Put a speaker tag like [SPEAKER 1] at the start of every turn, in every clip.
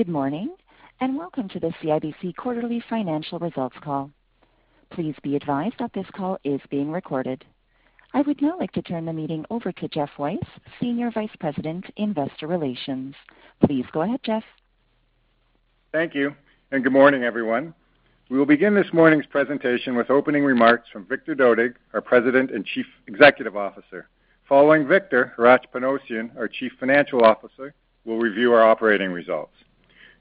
[SPEAKER 1] Good morning and welcome to the CIBC Quarterly Financial Results Call. Please be advised that this call is being recorded. I would now like to turn the meeting over to Geoff Weiss, Senior Vice President, Investor Relations. Please go ahead, Geoff.
[SPEAKER 2] Thank you and good morning, everyone. We will begin this morning's presentation with opening remarks from Victor Dodig, our President and Chief Executive Officer. Following Victor, Hratch Panossian, our Chief Financial Officer, will review our operating results.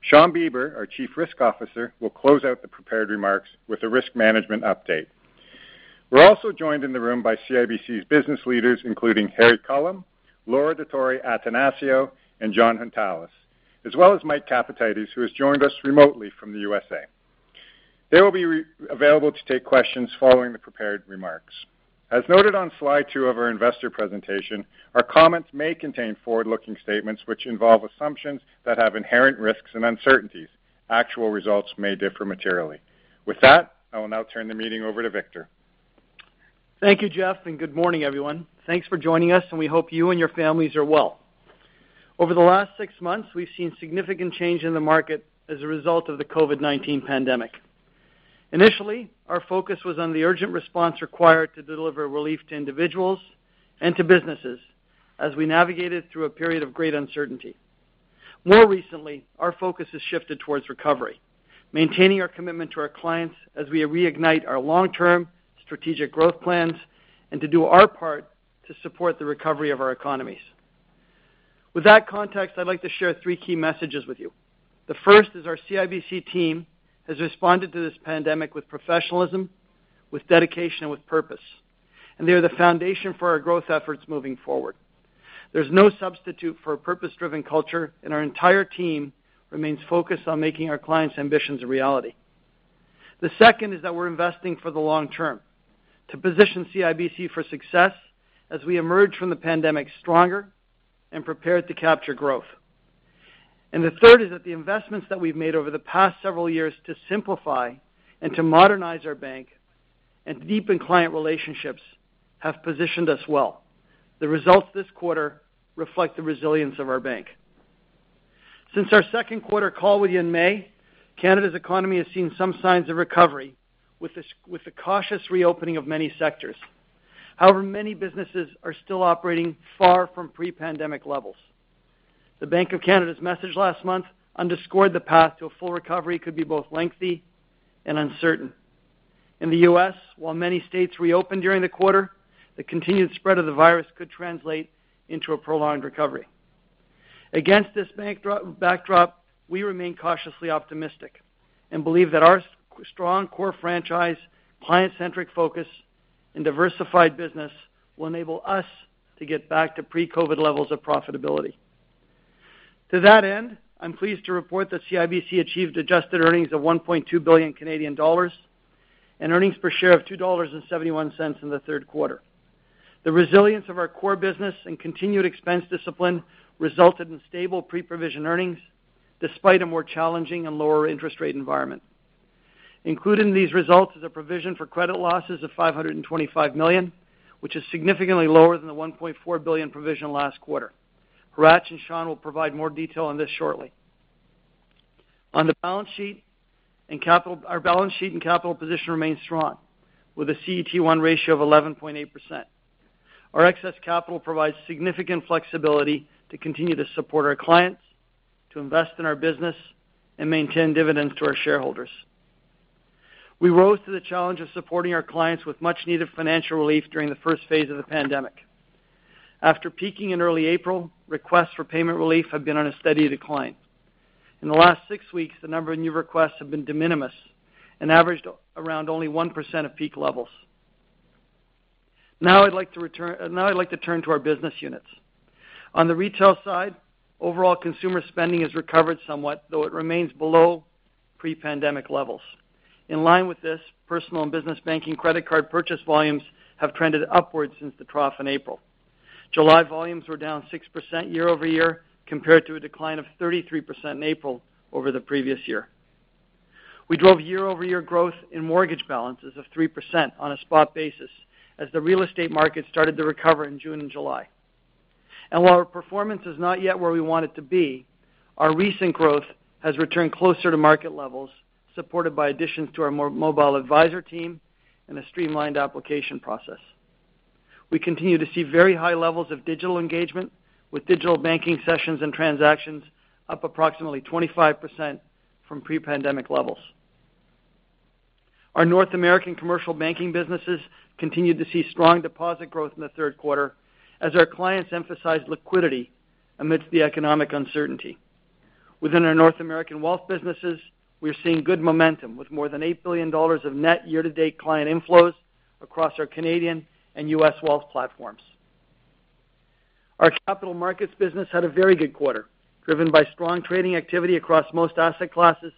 [SPEAKER 2] Shawn Beber, our Chief Risk Officer, will close out the prepared remarks with a risk management update. We're also joined in the room by CIBC's business leaders, including Harry Culham, Laura Dottori-Attanasio, and Jon Hountalas, as well as Mike Capatides, who has joined us remotely from the USA. They will be available to take questions following the prepared remarks. As noted on slide 2 of our investor presentation, our comments may contain forward-looking statements which involve assumptions that have inherent risks and uncertainties. Actual results may differ materially. With that, I will now turn the meeting over to Victor.
[SPEAKER 3] Thank you, Geoff, and good morning, everyone. Thanks for joining us, and we hope you and your families are well. Over the last 6 months, we've seen significant change in the market as a result of the COVID-19 pandemic. Initially, our focus was on the urgent response required to deliver relief to individuals and to businesses as we navigated through a period of great uncertainty. More recently, our focus has shifted towards recovery, maintaining our commitment to our clients as we reignite our long-term strategic growth plans and to do our part to support the recovery of our economies. With that context, I'd like to share 3 key messages with you. The first is our CIBC team has responded to this pandemic with professionalism, with dedication, and with purpose, and they are the foundation for our growth efforts moving forward. There's no substitute for a purpose-driven culture, and our entire team remains focused on making our clients' ambitions a reality. The second is that we're investing for the long term to position CIBC for success as we emerge from the pandemic stronger and prepared to capture growth. The third is that the investments that we've made over the past several years to simplify and to modernize our bank and to deepen client relationships have positioned us well. The results this quarter reflect the resilience of our bank. Since our second quarter call with you in May, Canada's economy has seen some signs of recovery with the cautious reopening of many sectors. However, many businesses are still operating far from pre-pandemic levels. The Bank of Canada's message last month underscored the path to a full recovery could be both lengthy and uncertain. In the U.S., while many states reopened during the quarter, the continued spread of the virus could translate into a prolonged recovery. Against this backdrop, we remain cautiously optimistic and believe that our strong core franchise, client-centric focus, and diversified business will enable us to get back to pre-COVID levels of profitability. To that end, I'm pleased to report that CIBC achieved adjusted earnings of 1.2 billion Canadian dollars and earnings per share of $2.71 in the third quarter. The resilience of our core business and continued expense discipline resulted in stable pre-provision earnings despite a more challenging and lower interest rate environment. Included in these results is a provision for credit losses of 525 million, which is significantly lower than the 1.4 billion provision last quarter. Hratch and Shawn will provide more detail on this shortly. On the balance sheet, our balance sheet and capital position remain strong with a CET1 ratio of 11.8%. Our excess capital provides significant flexibility to continue to support our clients, to invest in our business, and maintain dividends to our shareholders. We rose to the challenge of supporting our clients with much-needed financial relief during the first phase of the pandemic. After peaking in early April, requests for payment relief have been on a steady decline. In the last 6 weeks, the number of new requests has been de minimis and averaged around only 1% of peak levels. Now I'd like to turn to our business units. On the retail side, overall consumer spending has recovered somewhat, though it remains below pre-pandemic levels. In line with this, personal and business banking credit card purchase volumes have trended upward since the trough in April. July volumes were down 6% year-over-year compared to a decline of 33% in April over the previous year. We drove year-over-year growth in mortgage balances of 3% on a spot basis as the real estate market started to recover in June and July. While our performance is not yet where we want it to be, our recent growth has returned closer to market levels, supported by additions to our mobile advisor team and a streamlined application process. We continue to see very high levels of digital engagement, with digital banking sessions and transactions up approximately 25% from pre-pandemic levels. Our North American commercial banking businesses continue to see strong deposit growth in the third quarter as our clients emphasize liquidity amidst the economic uncertainty. Within our North American wealth businesses, we're seeing good momentum with more than 8 billion dollars of net year-to-date client inflows across our Canadian and US wealth platforms. Our capital markets business had a very good quarter, driven by strong trading activity across most asset classes,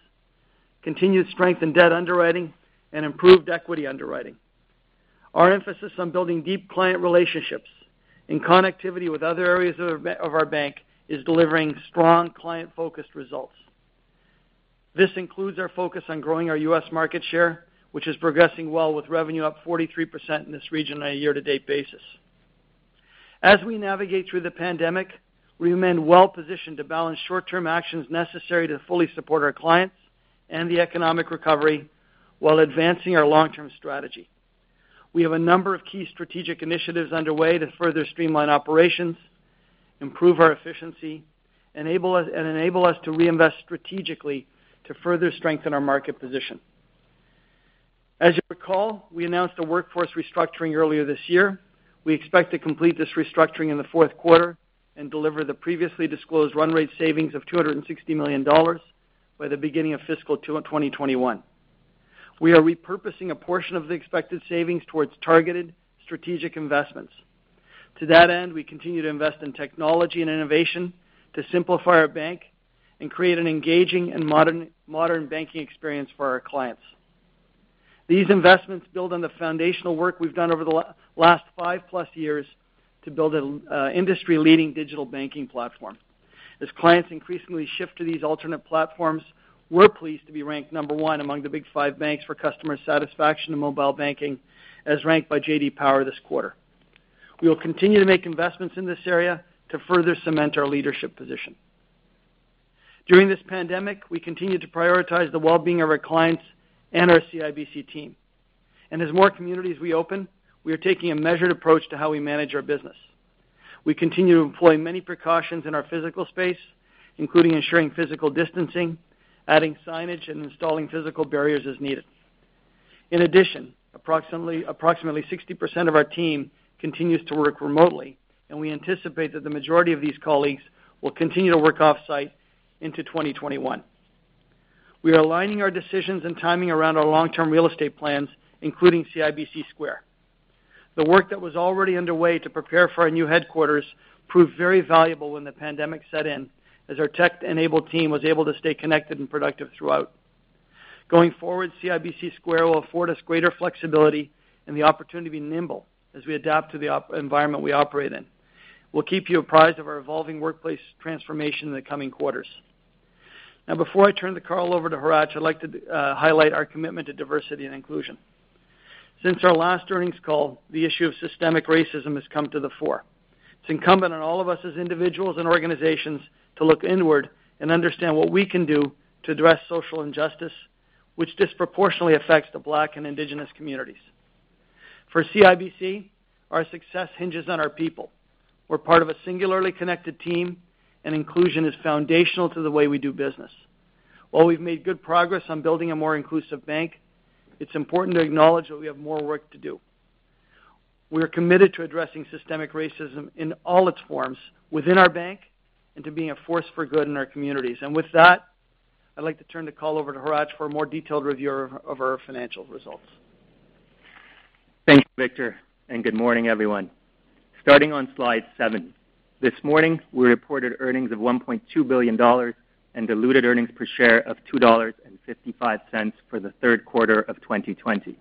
[SPEAKER 3] continued strength in debt underwriting, and improved equity underwriting. Our emphasis on building deep client relationships and connectivity with other areas of our bank is delivering strong, client-focused results. This includes our focus on growing our US market share, which is progressing well with revenue up 43% in this region on a year-to-date basis. As we navigate through the pandemic, we remain well-positioned to balance short-term actions necessary to fully support our clients and the economic recovery while advancing our long-term strategy. We have a number of key strategic initiatives underway to further streamline operations, improve our efficiency, and enable us to reinvest strategically to further strengthen our market position. As you recall, we announced a workforce restructuring earlier this year. We expect to complete this restructuring in the fourth quarter and deliver the previously disclosed run rate savings of $260 million by the beginning of fiscal 2021. We are repurposing a portion of the expected savings towards targeted strategic investments. To that end, we continue to invest in technology and innovation to simplify our bank and create an engaging and modern banking experience for our clients. These investments build on the foundational work we've done over the last five-plus years to build an industry-leading digital banking platform. As clients increasingly shift to these alternate platforms, we're pleased to be ranked number 1 among the Big 5 banks for customer satisfaction and mobile banking, as ranked by J.D. Power this quarter. We will continue to make investments in this area to further cement our leadership position. During this pandemic, we continue to prioritize the well-being of our clients and our CIBC team. As more communities reopen, we are taking a measured approach to how we manage our business. We continue to employ many precautions in our physical space, including ensuring physical distancing, adding signage, and installing physical barriers as needed. In addition, approximately 60% of our team continues to work remotely, and we anticipate that the majority of these colleagues will continue to work offsite into 2021. We are aligning our decisions and timing around our long-term real estate plans, including CIBC Square. The work that was already underway to prepare for our new headquarters proved very valuable when the pandemic set in, as our tech-enabled team was able to stay connected and productive throughout. Going forward, CIBC Square will afford us greater flexibility and the opportunity to be nimble as we adapt to the environment we operate in. We'll keep you apprised of our evolving workplace transformation in the coming quarters. Now, before I turn the call over to Hratch, I'd like to highlight our commitment to diversity and inclusion. Since our last earnings call, the issue of systemic racism has come to the fore. It's incumbent on all of us as individuals and organizations to look inward and understand what we can do to address social injustice, which disproportionately affects the Black and Indigenous communities. For CIBC, our success hinges on our people. We're part of a singularly connected team, and inclusion is foundational to the way we do business. While we've made good progress on building a more inclusive bank, it's important to acknowledge that we have more work to do. We are committed to addressing systemic racism in all its forms within our bank and to being a force for good in our communities. I'd like to turn the call over to Hratch for a more detailed review of our financial results.
[SPEAKER 4] Thank you, Victor, and good morning, everyone. Starting on slide seven, this morning, we reported earnings of $1.2 billion and diluted earnings per share of $2.55 for the third quarter of 2020.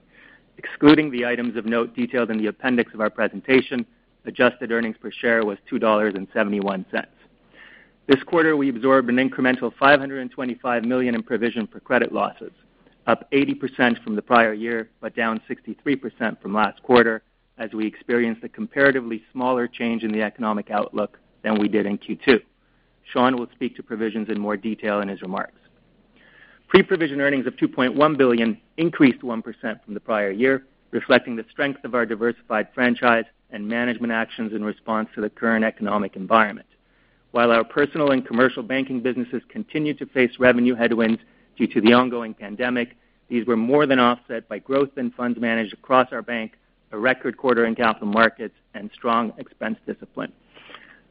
[SPEAKER 4] Excluding the items of note detailed in the appendix of our presentation, adjusted earnings per share was $2.71. This quarter, we absorbed an incremental $525 million in provision for credit losses, up 80% from the prior year but down 63% from last quarter, as we experienced a comparatively smaller change in the economic outlook than we did in Q2. Shawn will speak to provisions in more detail in his remarks. Pre-provision earnings of $2.1 billion increased 1% from the prior year, reflecting the strength of our diversified franchise and management actions in response to the current economic environment. While our personal and commercial banking businesses continue to face revenue headwinds due to the ongoing pandemic, these were more than offset by growth in funds managed across our bank, a record quarter in capital markets, and strong expense discipline.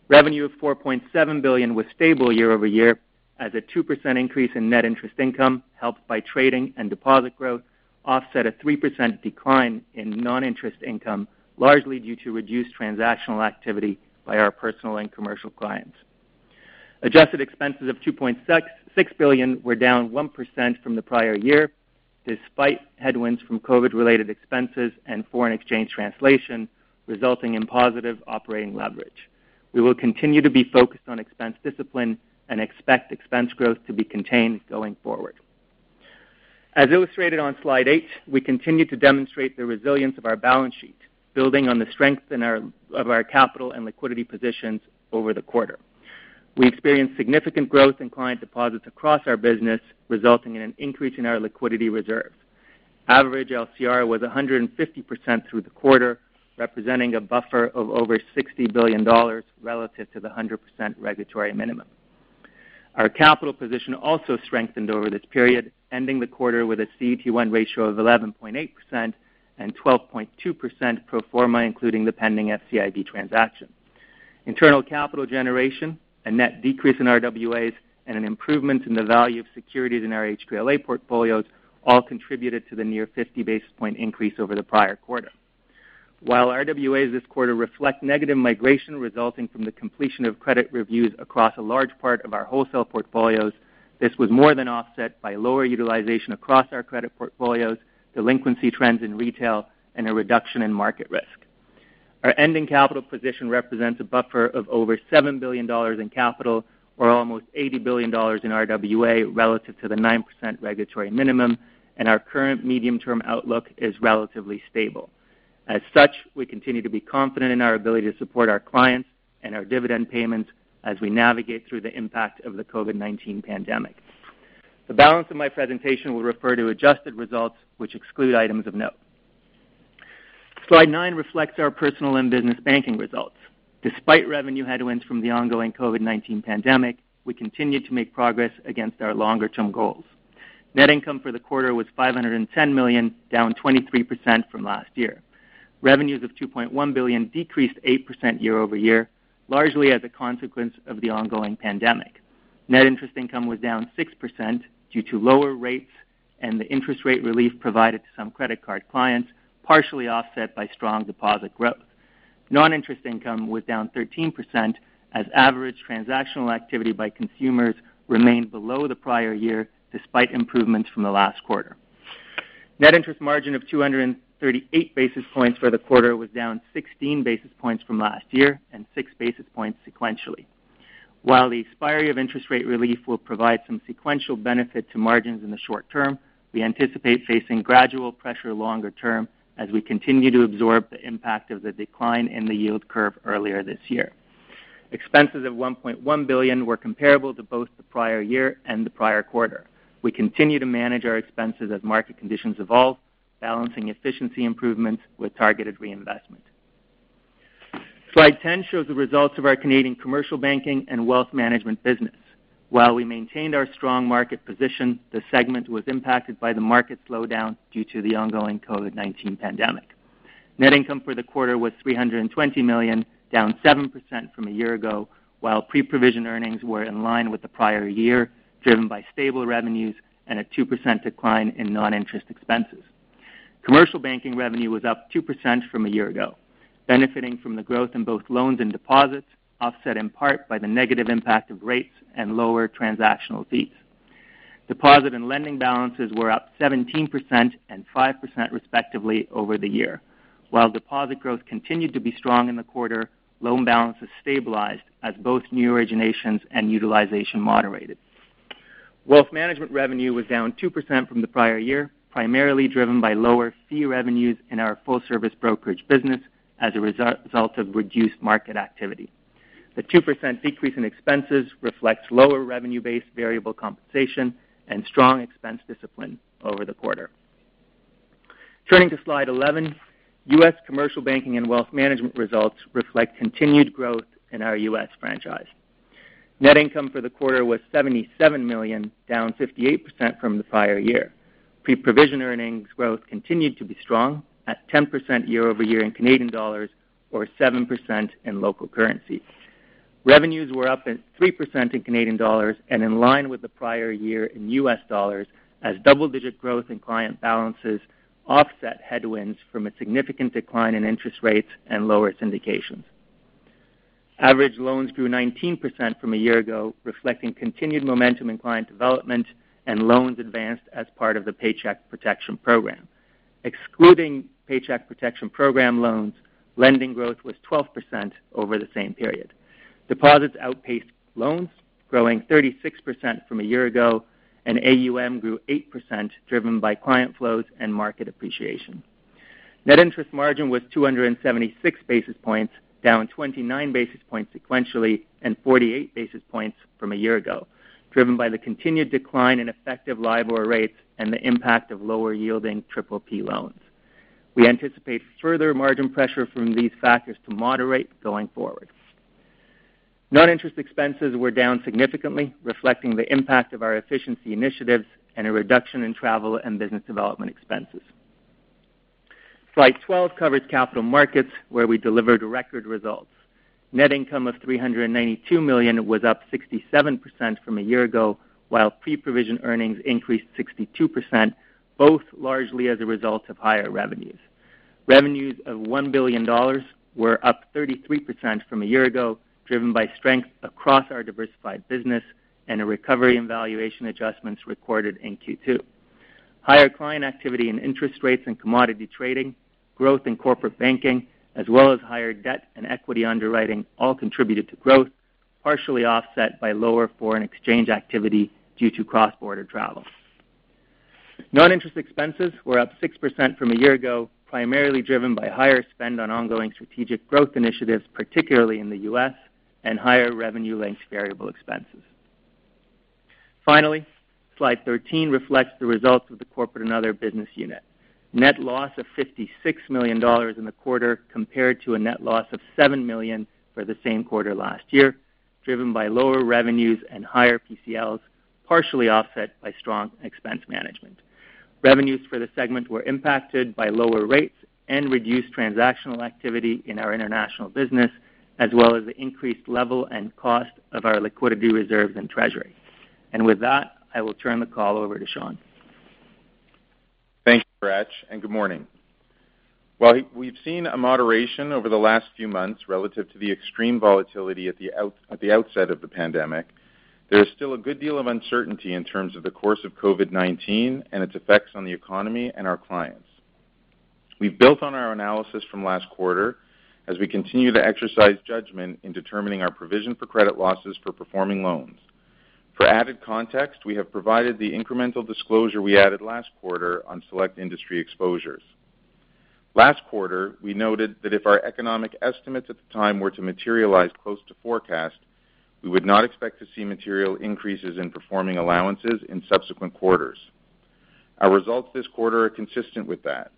[SPEAKER 4] Revenue of 4.7 billion was stable year-over-year, as a 2% increase in net interest income, helped by trading and deposit growth, offset a 3% decline in non-interest income, largely due to reduced transactional activity by our personal and commercial clients. Adjusted expenses of 2.6 billion were down 1% from the prior year, despite headwinds from COVID-related expenses and foreign exchange translation resulting in positive operating leverage. We will continue to be focused on expense discipline and expect expense growth to be contained going forward. As illustrated on slide eight, we continue to demonstrate the resilience of our balance sheet, building on the strength of our capital and liquidity positions over the quarter. We experienced significant growth in client deposits across our business, resulting in an increase in our liquidity reserves. Average LCR was 150% through the quarter, representing a buffer of over 60 billion dollars relative to the 100% regulatory minimum. Our capital position also strengthened over this period, ending the quarter with a CET1 ratio of 11.8% and 12.2% pro forma, including the pending FCIB transaction. Internal capital generation, a net decrease in our RWAs, and an improvement in the value of securities in our HQLA portfolios all contributed to the near 50 basis point increase over the prior quarter. While RWAs this quarter reflect negative migration resulting from the completion of credit reviews across a large part of our wholesale portfolios, this was more than offset by lower utilization across our credit portfolios, delinquency trends in retail, and a reduction in market risk. Our ending capital position represents a buffer of over 7 billion dollars in capital, or almost 80 billion dollars in RWA, relative to the 9% regulatory minimum, and our current medium-term outlook is relatively stable. As such, we continue to be confident in our ability to support our clients and our dividend payments as we navigate through the impact of the COVID-19 pandemic. The balance of my presentation will refer to adjusted results, which exclude items of note. Slide nine reflects our personal and business banking results. Despite revenue headwinds from the ongoing COVID-19 pandemic, we continue to make progress against our longer-term goals. Net income for the quarter was $510 million, down 23% from last year. Revenues of $2.1 billion decreased 8% year-over-year, largely as a consequence of the ongoing pandemic. Net interest income was down 6% due to lower rates and the interest rate relief provided to some credit card clients, partially offset by strong deposit growth. Non-interest income was down 13%, as average transactional activity by consumers remained below the prior year despite improvements from the last quarter. Net interest margin of 238 basis points for the quarter was down 16 basis points from last year and 6 basis points sequentially. While the expiry of interest rate relief will provide some sequential benefit to margins in the short term, we anticipate facing gradual pressure longer term as we continue to absorb the impact of the decline in the yield curve earlier this year. Expenses of 1.1 billion were comparable to both the prior year and the prior quarter. We continue to manage our expenses as market conditions evolve, balancing efficiency improvements with targeted reinvestment. Slide 10 shows the results of our Canadian commercial banking and wealth management business. While we maintained our strong market position, the segment was impacted by the market slowdown due to the ongoing COVID-19 pandemic. Net income for the quarter was 320 million, down 7% from a year ago, while pre-provision earnings were in line with the prior year, driven by stable revenues and a 2% decline in non-interest expenses. Commercial banking revenue was up 2% from a year ago, benefiting from the growth in both loans and deposits, offset in part by the negative impact of rates and lower transactional fees. Deposit and lending balances were up 17% and 5% respectively over the year. While deposit growth continued to be strong in the quarter, loan balances stabilized as both new originations and utilization moderated. Wealth management revenue was down 2% from the prior year, primarily driven by lower fee revenues in our full-service brokerage business as a result of reduced market activity. The 2% decrease in expenses reflects lower revenue-based variable compensation and strong expense discipline over the quarter. Turning to slide 11, US commercial banking and wealth management results reflect continued growth in our US franchise. Net income for the quarter was $77 million, down 58% from the prior year. Pre-provision earnings growth continued to be strong at 10% year-over-year in CAD or 7% in local currency. Revenues were up 3% in CAD and in line with the prior year in US dollars, as double-digit growth in client balances offset headwinds from a significant decline in interest rates and lower syndications. Average loans grew 19% from a year ago, reflecting continued momentum in client development and loans advanced as part of the Paycheck Protection Program. Excluding Paycheck Protection Program loans, lending growth was 12% over the same period. Deposits outpaced loans, growing 36% from a year ago, and AUM grew 8%, driven by client flows and market appreciation. Net interest margin was 276 basis points, down 29 basis points sequentially and 48 basis points from a year ago, driven by the continued decline in effective LIBOR rates and the impact of lower-yielding PPP loans. We anticipate further margin pressure from these factors to moderate going forward. Non-interest expenses were down significantly, reflecting the impact of our efficiency initiatives and a reduction in travel and business development expenses. Slide 12 covers capital markets, where we delivered record results. Net income of $392 million was up 67% from a year ago, while pre-provision earnings increased 62%, both largely as a result of higher revenues. Revenues of $1 billion were up 33% from a year ago, driven by strength across our diversified business and a recovery in valuation adjustments recorded in Q2. Higher client activity in interest rates and commodity trading, growth in corporate banking, as well as higher debt and equity underwriting, all contributed to growth, partially offset by lower foreign exchange activity due to cross-border travel. Non-interest expenses were up 6% from a year ago, primarily driven by higher spend on ongoing strategic growth initiatives, particularly in the US, and higher revenue-linked variable expenses. Finally, slide 13 reflects the results of the corporate and other business unit. Net loss of $56 million in the quarter compared to a net loss of $7 million for the same quarter last year, driven by lower revenues and higher PCLs, partially offset by strong expense management. Revenues for the segment were impacted by lower rates and reduced transactional activity in our international business, as well as the increased level and cost of our liquidity reserves and treasury. With that, I will turn the call over to Shawn.
[SPEAKER 5] Thank you, Hratch, and good morning. While we've seen a moderation over the last few months relative to the extreme volatility at the outset of the pandemic, there is still a good deal of uncertainty in terms of the course of COVID-19 and its effects on the economy and our clients. We've built on our analysis from last quarter as we continue to exercise judgment in determining our provision for credit losses for performing loans. For added context, we have provided the incremental disclosure we added last quarter on select industry exposures. Last quarter, we noted that if our economic estimates at the time were to materialize close to forecast, we would not expect to see material increases in performing allowances in subsequent quarters. Our results this quarter are consistent with that.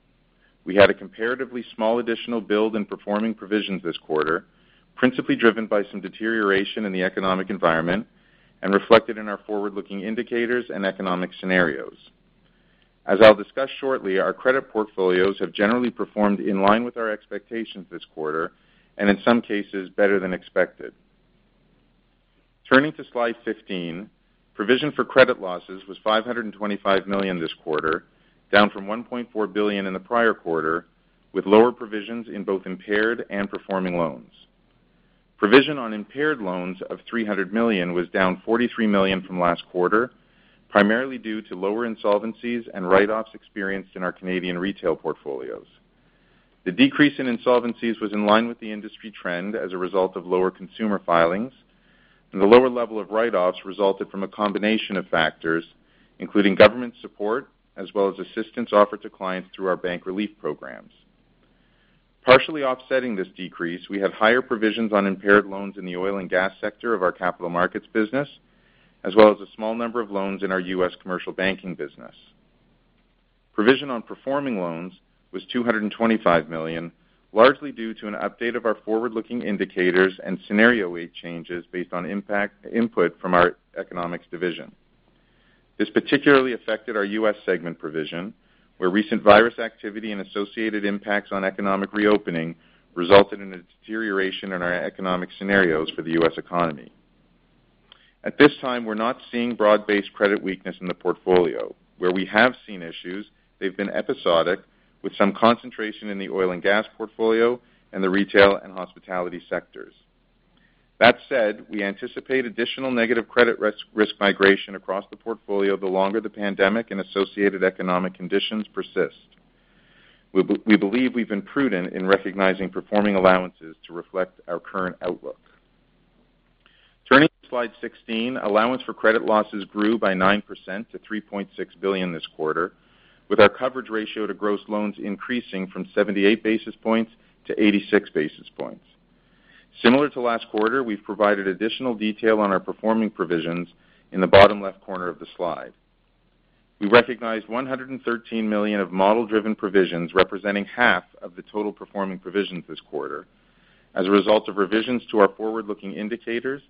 [SPEAKER 5] We had a comparatively small additional build in performing provisions this quarter, principally driven by some deterioration in the economic environment and reflected in our forward-looking indicators and economic scenarios. As I'll discuss shortly, our credit portfolios have generally performed in line with our expectations this quarter and, in some cases, better than expected. Turning to slide 15, provision for credit losses was $525 million this quarter, down from $1.4 billion in the prior quarter, with lower provisions in both impaired and performing loans. Provision on impaired loans of $300 million was down $43 million from last quarter, primarily due to lower insolvencies and write-offs experienced in our Canadian retail portfolios. The decrease in insolvencies was in line with the industry trend as a result of lower consumer filings, and the lower level of write-offs resulted from a combination of factors, including government support as well as assistance offered to clients through our bank relief programs. Partially offsetting this decrease, we had higher provisions on impaired loans in the oil and gas sector of our capital markets business, as well as a small number of loans in our US commercial banking business. Provision on performing loans was 225 million, largely due to an update of our forward-looking indicators and scenario weight changes based on impact input from our economics division. This particularly affected our US segment provision, where recent virus activity and associated impacts on economic reopening resulted in a deterioration in our economic scenarios for the US economy. At this time, we're not seeing broad-based credit weakness in the portfolio. Where we have seen issues, they've been episodic, with some concentration in the oil and gas portfolio and the retail and hospitality sectors. That said, we anticipate additional negative credit risk migration across the portfolio the longer the pandemic and associated economic conditions persist. We believe we've been prudent in recognizing performing allowances to reflect our current outlook. Turning to slide 16, allowance for credit losses grew by 9% to 3.6 billion this quarter, with our coverage ratio to gross loans increasing from 78 basis points to 86 basis points. Similar to last quarter, we've provided additional detail on our performing provisions in the bottom left corner of the slide. We recognized 113 million of model-driven provisions representing half of the total performing provisions this quarter, as a result of revisions to our forward-looking indicators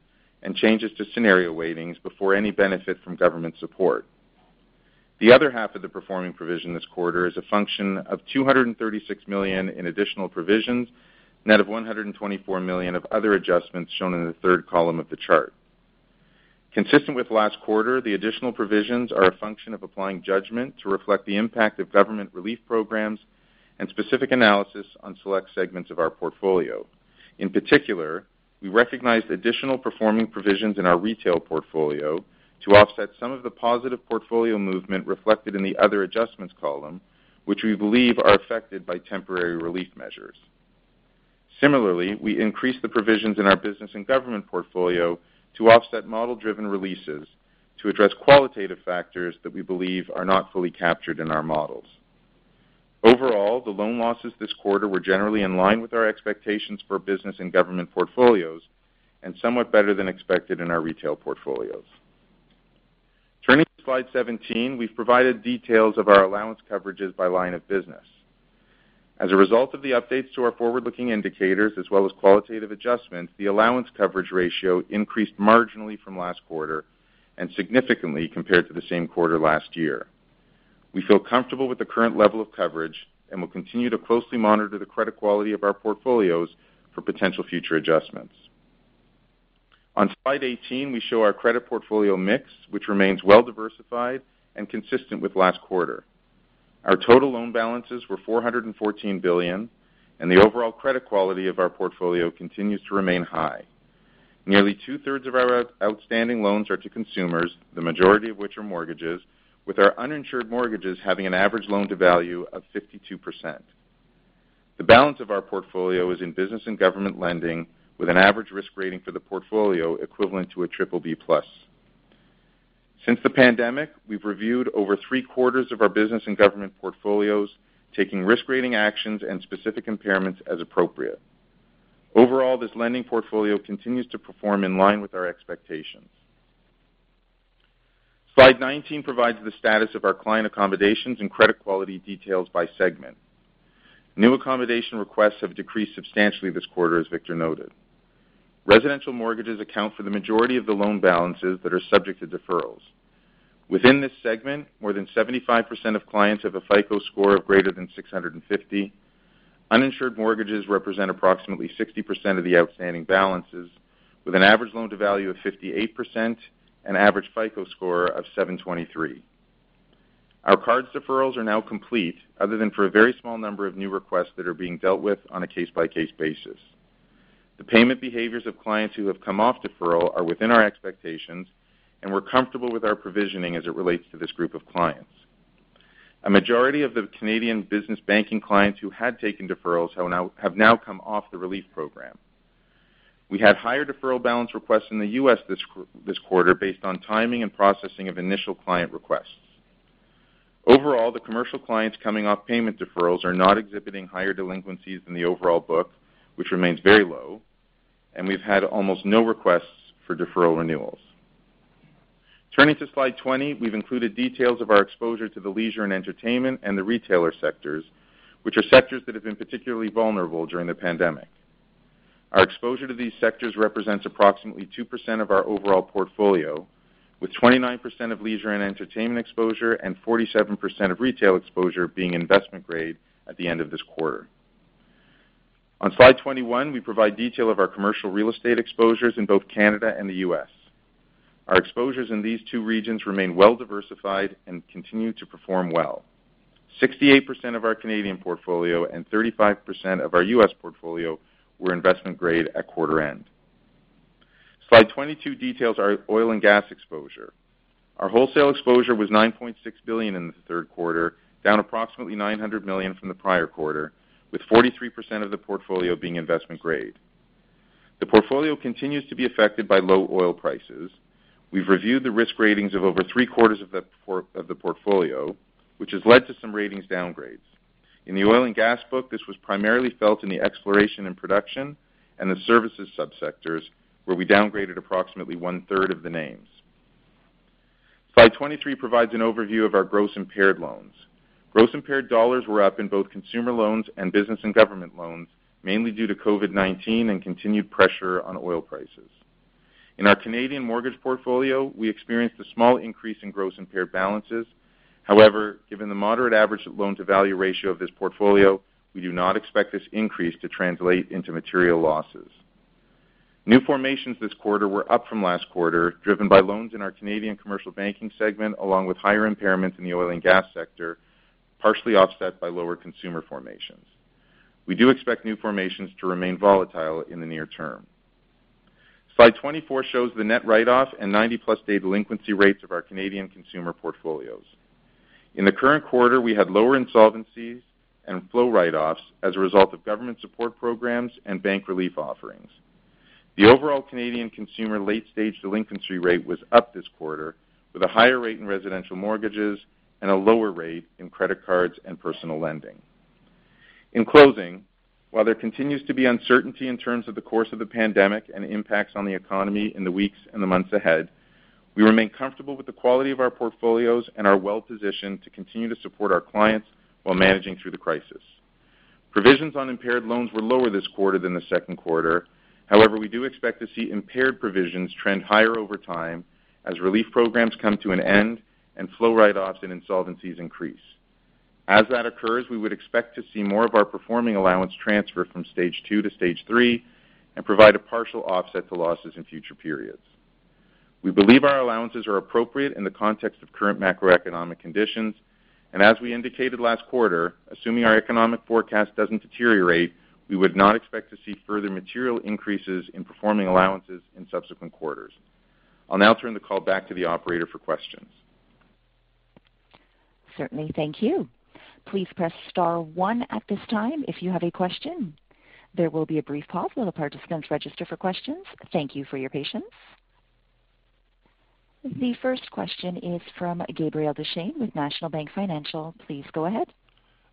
[SPEAKER 5] and changes to scenario weightings before any benefit from government support. The other half of the performing provision this quarter is a function of $236 million in additional provisions, net of $124 million of other adjustments shown in the third column of the chart. Consistent with last quarter, the additional provisions are a function of applying judgment to reflect the impact of government relief programs and specific analysis on select segments of our portfolio. In particular, we recognized additional performing provisions in our retail portfolio to offset some of the positive portfolio movement reflected in the other adjustments column, which we believe are affected by temporary relief measures. Similarly, we increased the provisions in our business and government portfolio to offset model-driven releases to address qualitative factors that we believe are not fully captured in our models. Overall, the loan losses this quarter were generally in line with our expectations for business and government portfolios and somewhat better than expected in our retail portfolios. Turning to slide 17, we've provided details of our allowance coverages by line of business. As a result of the updates to our forward-looking indicators as well as qualitative adjustments, the allowance coverage ratio increased marginally from last quarter and significantly compared to the same quarter last year. We feel comfortable with the current level of coverage and will continue to closely monitor the credit quality of our portfolios for potential future adjustments. On slide 18, we show our credit portfolio mix, which remains well-diversified and consistent with last quarter. Our total loan balances were 414 billion, and the overall credit quality of our portfolio continues to remain high. Nearly 2-thirds of our outstanding loans are to consumers, the majority of which are mortgages, with our uninsured mortgages having an average loan-to-value of 52%. The balance of our portfolio is in business and government lending, with an average risk rating for the portfolio equivalent to a BBB plus. Since the pandemic, we've reviewed over 3-quarters of our business and government portfolios, taking risk-rating actions and specific impairments as appropriate. Overall, this lending portfolio continues to perform in line with our expectations. Slide 19 provides the status of our client accommodations and credit quality details by segment. New accommodation requests have decreased substantially this quarter, as Victor noted. Residential mortgages account for the majority of the loan balances that are subject to deferrals. Within this segment, more than 75% of clients have a FICO score of greater than 650. Uninsured mortgages represent approximately 60% of the outstanding balances, with an average loan-to-value of 58% and average FICO score of 723. Our cards deferrals are now complete, other than for a very small number of new requests that are being dealt with on a case-by-case basis. The payment behaviors of clients who have come off deferral are within our expectations, and we're comfortable with our provisioning as it relates to this group of clients. A majority of the Canadian business banking clients who had taken deferrals have now come off the relief program. We had higher deferral balance requests in the U.S. this quarter based on timing and processing of initial client requests. Overall, the commercial clients coming off payment deferrals are not exhibiting higher delinquencies than the overall book, which remains very low, and we've had almost no requests for deferral renewals. Turning to slide 20, we've included details of our exposure to the leisure and entertainment and the retailer sectors, which are sectors that have been particularly vulnerable during the pandemic. Our exposure to these sectors represents approximately 2% of our overall portfolio, with 29% of leisure and entertainment exposure and 47% of retail exposure being investment-grade at the end of this quarter. On slide 21, we provide detail of our commercial real estate exposures in both Canada and the U.S. Our exposures in these 2 regions remain well-diversified and continue to perform well. 68% of our Canadian portfolio and 35% of our U.S. portfolio were investment-grade at quarter end. Slide 22 details our oil and gas exposure. Our wholesale exposure was 9.6 billion in the third quarter, down approximately 900 million from the prior quarter, with 43% of the portfolio being investment-grade. The portfolio continues to be affected by low oil prices. We've reviewed the risk ratings of over 3-quarters of the portfolio, which has led to some ratings downgrades. In the oil and gas book, this was primarily felt in the exploration and production and the services subsectors, where we downgraded approximately one-third of the names. Slide 23 provides an overview of our gross impaired loans. Gross impaired dollars were up in both consumer loans and business and government loans, mainly due to COVID-19 and continued pressure on oil prices. In our Canadian mortgage portfolio, we experienced a small increase in gross impaired balances. However, given the moderate average loan-to-value ratio of this portfolio, we do not expect this increase to translate into material losses. New formations this quarter were up from last quarter, driven by loans in our Canadian commercial banking segment, along with higher impairments in the oil and gas sector, partially offset by lower consumer formations. We do expect new formations to remain volatile in the near term. Slide 24 shows the net write-off and 90-plus-day delinquency rates of our Canadian consumer portfolios. In the current quarter, we had lower insolvencies and flow write-offs as a result of government support programs and bank relief offerings. The overall Canadian consumer late-stage delinquency rate was up this quarter, with a higher rate in residential mortgages and a lower rate in credit cards and personal lending. In closing, while there continues to be uncertainty in terms of the course of the pandemic and impacts on the economy in the weeks and the months ahead, we remain comfortable with the quality of our portfolios and are well-positioned to continue to support our clients while managing through the crisis. Provisions on impaired loans were lower this quarter than the second quarter. However, we do expect to see impaired provisions trend higher over time as relief programs come to an end and flow write-offs and insolvencies increase. As that occurs, we would expect to see more of our performing allowance transfer from stage 2 to stage 3 and provide a partial offset to losses in future periods. We believe our allowances are appropriate in the context of current macroeconomic conditions, and as we indicated last quarter, assuming our economic forecast does not deteriorate, we would not expect to see further material increases in performing allowances in subsequent quarters. I will now turn the call back to the operator for questions.
[SPEAKER 1] Certainly, thank you. Please press star one at this time if you have a question. There will be a brief pause while the participants register for questions. Thank you for your patience. The first question is from Gabriel Dechaine with National Bank Financial. Please go ahead.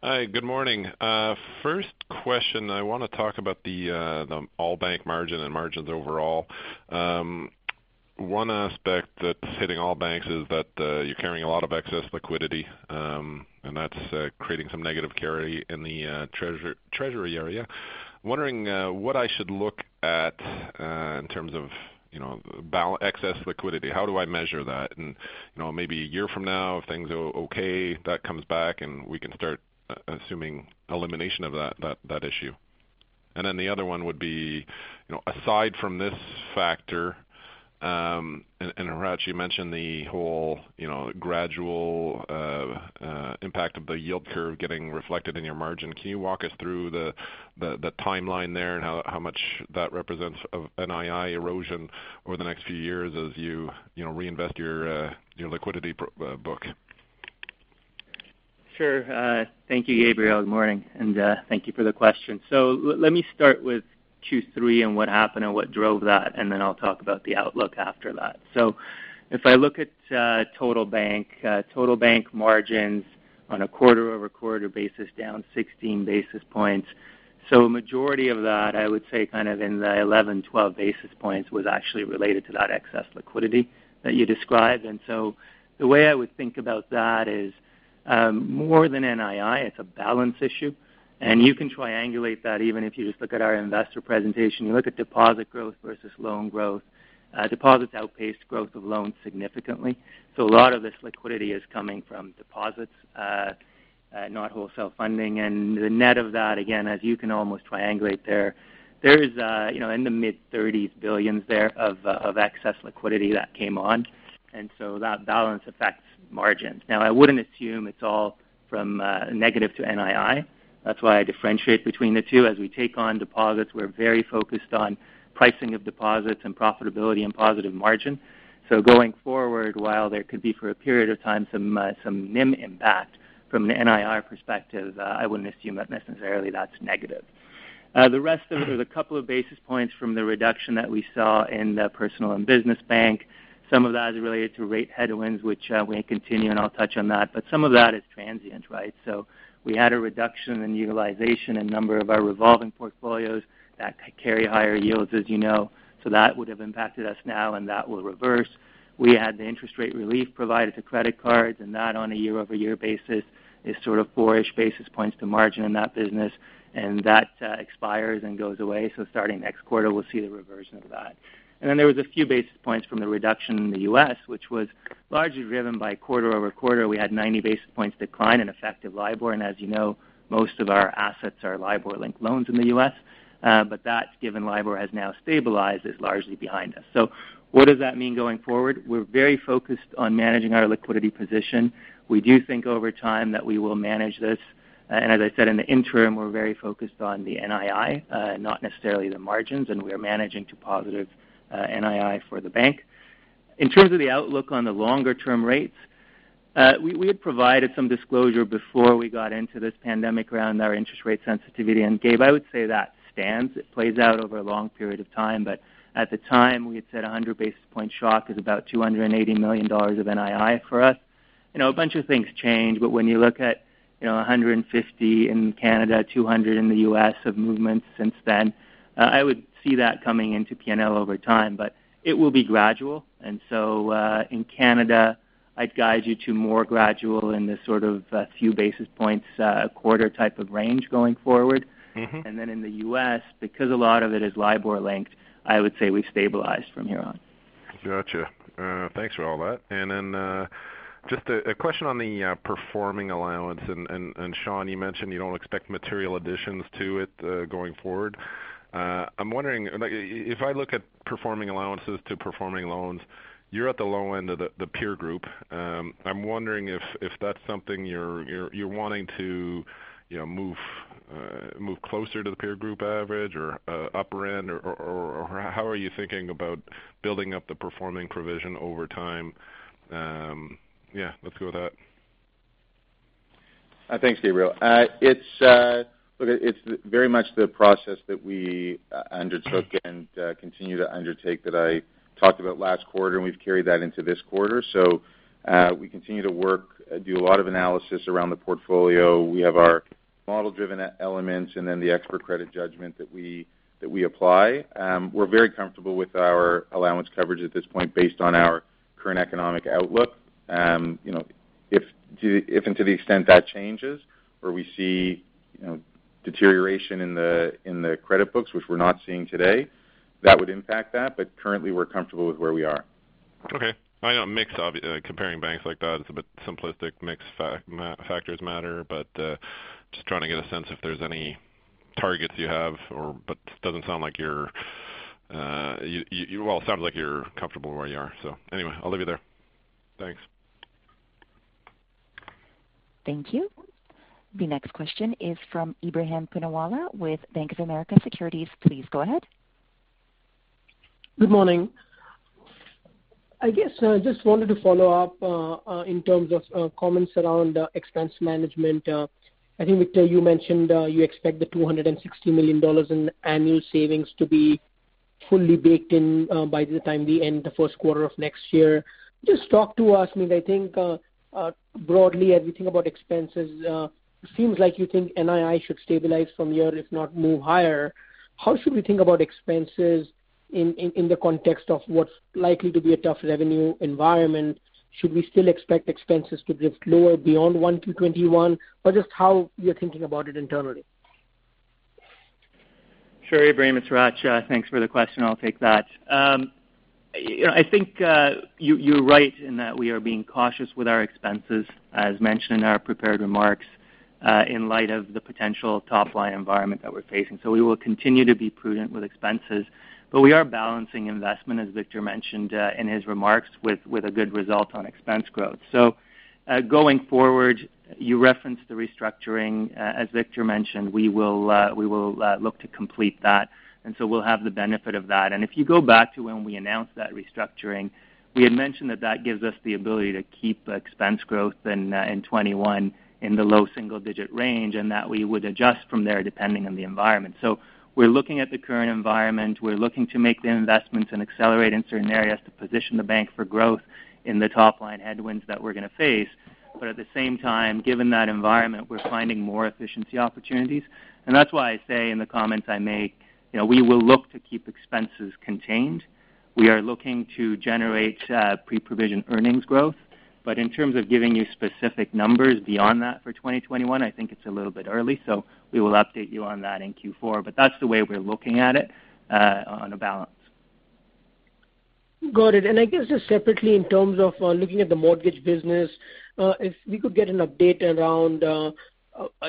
[SPEAKER 6] Hi, good morning. First question, I want to talk about the all-bank margin and margins overall. One aspect that is hitting all banks is that you are carrying a lot of excess liquidity, and that is creating some negative carry in the treasury area. Wondering what I should look at in terms of excess liquidity. How do I measure that? Maybe a year from now, if things are okay, that comes back and we can start assuming elimination of that issue. The other one would be, aside from this factor, and I'm glad you mentioned the whole gradual impact of the yield curve getting reflected in your margin. Can you walk us through the timeline there and how much that represents of NII erosion over the next few years as you reinvest your liquidity book?
[SPEAKER 4] Sure. Thank you, Gabriel. Good morning, and thank you for the question. Let me start with Q3 and what happened and what drove that, and then I'll talk about the outlook after that. If I look at Total Bank, Total Bank margins on a quarter-over-quarter basis down 16 basis points. A majority of that, I would say, kind of in the 11-12 basis points was actually related to that excess liquidity that you described. The way I would think about that is more than NII, it is a balance issue, and you can triangulate that even if you just look at our investor presentation. You look at deposit growth versus loan growth. Deposits outpaced growth of loans significantly. A lot of this liquidity is coming from deposits, not wholesale funding. The net of that, again, as you can almost triangulate there, there is in the mid-30s billions there of excess liquidity that came on, and that balance affects margins. I would not assume it is all from negative to NII. That is why I differentiate between the 2. As we take on deposits, we are very focused on pricing of deposits and profitability and positive margin. Going forward, while there could be for a period of time some NIM impact from an NII perspective, I would not assume that necessarily that is negative. The rest of it was a couple of basis points from the reduction that we saw in the personal and business bank. Some of that is related to rate headwinds, which may continue, and I will touch on that. Some of that is transient, right? We had a reduction in utilization and number of our revolving portfolios that carry higher yields, as you know. That would have impacted us now, and that will reverse. We had the interest rate relief provided to credit cards, and that on a year-over-year basis is sort of four-ish basis points to margin in that business, and that expires and goes away. Starting next quarter, we will see the reversion of that. There was a few basis points from the reduction in the U.S., which was largely driven by quarter-over-quarter. We had 90 basis points decline in effective LIBOR, and as you know, most of our assets are LIBOR-linked loans in the U.S. That, given LIBOR has now stabilized, is largely behind us. What does that mean going forward? We're very focused on managing our liquidity position. We do think over time that we will manage this. As I said, in the interim, we're very focused on the NII, not necessarily the margins, and we are managing to positive NII for the bank. In terms of the outlook on the longer-term rates, we had provided some disclosure before we got into this pandemic around our interest rate sensitivity and gave, I would say, that stance. It plays out over a long period of time, but at the time, we had said a 100 basis point shock is about 280 million dollars of NII for us. A bunch of things change, but when you look at 150 in Canada, 200 in the U.S. of movements since then, I would see that coming into P&L over time, but it will be gradual. In Canada, I'd guide you to more gradual in this sort of a few basis points a quarter type of range going forward. In the U.S., because a lot of it is LIBOR-linked, I would say we've stabilized from here on.
[SPEAKER 6] Gotcha. Thanks for all that. Just a question on the performing allowance, and Shawn, you mentioned you don't expect material additions to it going forward. I'm wondering, if I look at performing allowances to performing loans, you're at the low end of the peer group. I'm wondering if that's something you're wanting to move closer to the peer group average or upper end, or how are you thinking about building up the performing provision over time? Yeah, let's go with that.
[SPEAKER 5] Thanks, Gabriel. It's very much the process that we undertook and continue to undertake that I talked about last quarter, and we've carried that into this quarter. We continue to work, do a lot of analysis around the portfolio. We have our model-driven elements and then the expert credit judgment that we apply. We're very comfortable with our allowance coverage at this point based on our current economic outlook. If and to the extent that changes or we see deterioration in the credit books, which we're not seeing today, that would impact that, but currently, we're comfortable with where we are.
[SPEAKER 6] Okay. I know a mix of comparing banks like that. It's a bit simplistic. Mixed factors matter, but just trying to get a sense if there's any targets you have, but it doesn't sound like you're, well, it sounds like you're comfortable where you are. Anyway, I'll leave you there. Thanks.
[SPEAKER 1] Thank you. The next question is from Ibrahim Punawalla with Bank of America Securities. Please go ahead.
[SPEAKER 7] Good morning. I guess I just wanted to follow up in terms of comments around expense management. I think, Victor, you mentioned you expect the $260 million in annual savings to be fully baked in by the time we end the first quarter of next year. Just talk to us. I mean, I think broadly, as we think about expenses, it seems like you think NII should stabilize from here, if not move higher. How should we think about expenses in the context of what's likely to be a tough revenue environment? Should we still expect expenses to drift lower beyond Q1 2021, or just how you're thinking about it internally?
[SPEAKER 4] Sure, Ibrahim. It's Hratch. Thanks for the question. I'll take that. I think you're right in that we are being cautious with our expenses, as mentioned in our prepared remarks, in light of the potential top-line environment that we're facing. We will continue to be prudent with expenses, but we are balancing investment, as Victor mentioned in his remarks, with a good result on expense growth. Going forward, you referenced the restructuring. As Victor mentioned, we will look to complete that, and we will have the benefit of that. If you go back to when we announced that restructuring, we had mentioned that gives us the ability to keep expense growth in 2021 in the low single-digit range and that we would adjust from there depending on the environment. We are looking at the current environment. We are looking to make the investments and accelerate in certain areas to position the bank for growth in the top-line headwinds that we are going to face. At the same time, given that environment, we are finding more efficiency opportunities. That is why I say in the comments I make, we will look to keep expenses contained. We are looking to generate pre-provision earnings growth, but in terms of giving you specific numbers beyond that for 2021, I think it is a little bit early. We will update you on that in Q4, but that's the way we're looking at it on a balance.
[SPEAKER 7] Got it. I guess just separately in terms of looking at the mortgage business, if we could get an update around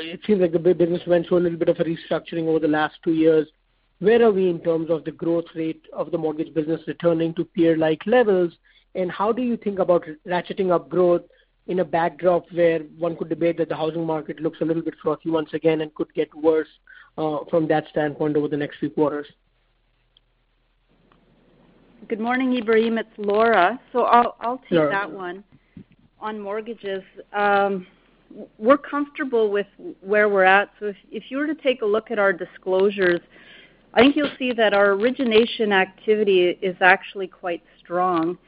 [SPEAKER 7] it seems like the business went through a little bit of a restructuring over the last 2 years. Where are we in terms of the growth rate of the mortgage business returning to peer-like levels, and how do you think about ratcheting up growth in a backdrop where one could debate that the housing market looks a little bit frothy once again and could get worse from that standpoint over the next few quarters?
[SPEAKER 6] Good morning, Ibrahim. It's Laura. I'll take that one. On mortgages, we're comfortable with where we're at. If you were to take a look at our disclosures, I think you'll see that our origination activity is actually quite strong.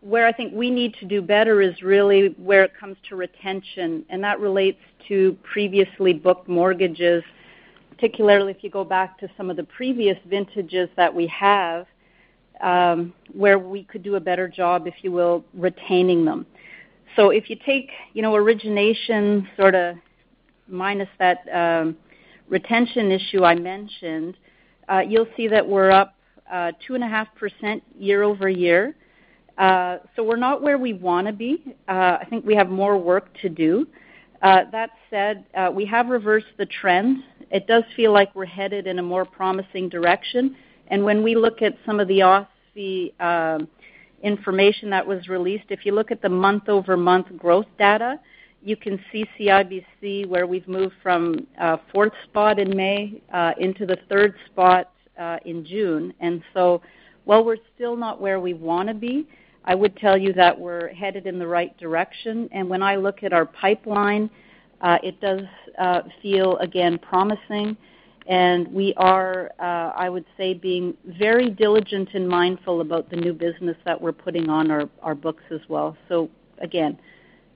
[SPEAKER 6] Where I think we need to do better is really where it comes to retention, and that relates to previously booked mortgages, particularly if you go back to some of the previous vintages that we have where we could do a better job, if you will, retaining them. If you take origination sort of minus that retention issue I mentioned, you'll see that we're up 2.5% year over year. We're not where we want to be. I think we have more work to do. That said, we have reversed the trend. It does feel like we're headed in a more promising direction. When we look at some of the OSFI information that was released, if you look at the month-over-month growth data, you can see CIBC where we've moved from fourth spot in May into the third spot in June. While we're still not where we want to be, I would tell you that we're headed in the right direction. When I look at our pipeline, it does feel, again, promising, and we are, I would say, being very diligent and mindful about the new business that we're putting on our books as well.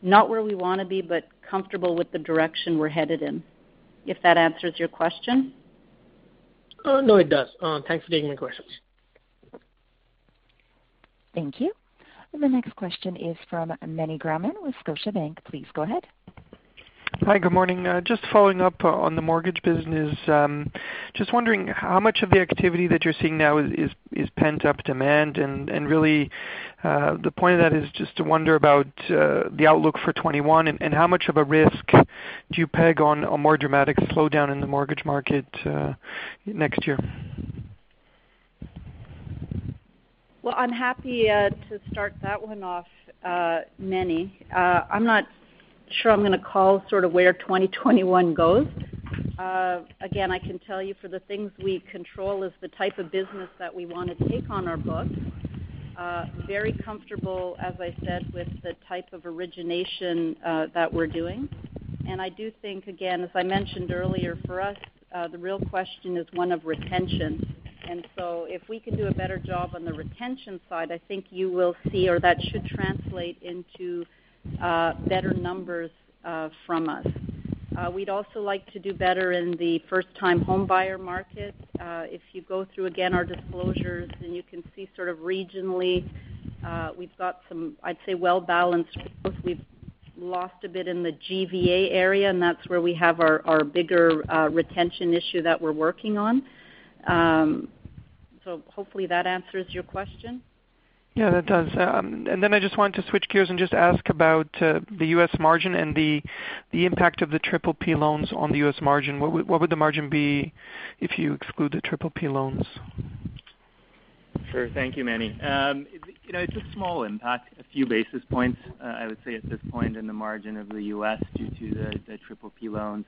[SPEAKER 6] Not where we want to be, but comfortable with the direction we're headed in, if that answers your question.
[SPEAKER 7] No, it does. Thanks for taking my questions.
[SPEAKER 1] Thank you. The next question is from Manny Grauman with Scotiabank. Please go ahead. Hi, good morning.
[SPEAKER 8] Just following up on the mortgage business, just wondering how much of the activity that you're seeing now is pent-up demand? The point of that is just to wonder about the outlook for 2021 and how much of a risk do you peg on a more dramatic slowdown in the mortgage market next year?
[SPEAKER 6] I'm happy to start that one off, Manny. I'm not sure I'm going to call sort of where 2021 goes. Again, I can tell you for the things we control is the type of business that we want to take on our books. Very comfortable, as I said, with the type of origination that we're doing. I do think, again, as I mentioned earlier, for us, the real question is one of retention. If we can do a better job on the retention side, I think you will see or that should translate into better numbers from us. We'd also like to do better in the first-time home buyer market. If you go through, again, our disclosures, then you can see sort of regionally we've got some, I'd say, well-balanced growth. We've lost a bit in the GTA area, and that's where we have our bigger retention issue that we're working on. Hopefully, that answers your question.
[SPEAKER 8] Yeah, that does. I just wanted to switch gears and just ask about the US margin and the impact of the PPP loans on the US margin. What would the margin be if you exclude the PPP loans?
[SPEAKER 4] Sure. Thank you, Manny. It's a small impact, a few basis points, I would say, at this point in the margin of the US due to the PPP loans.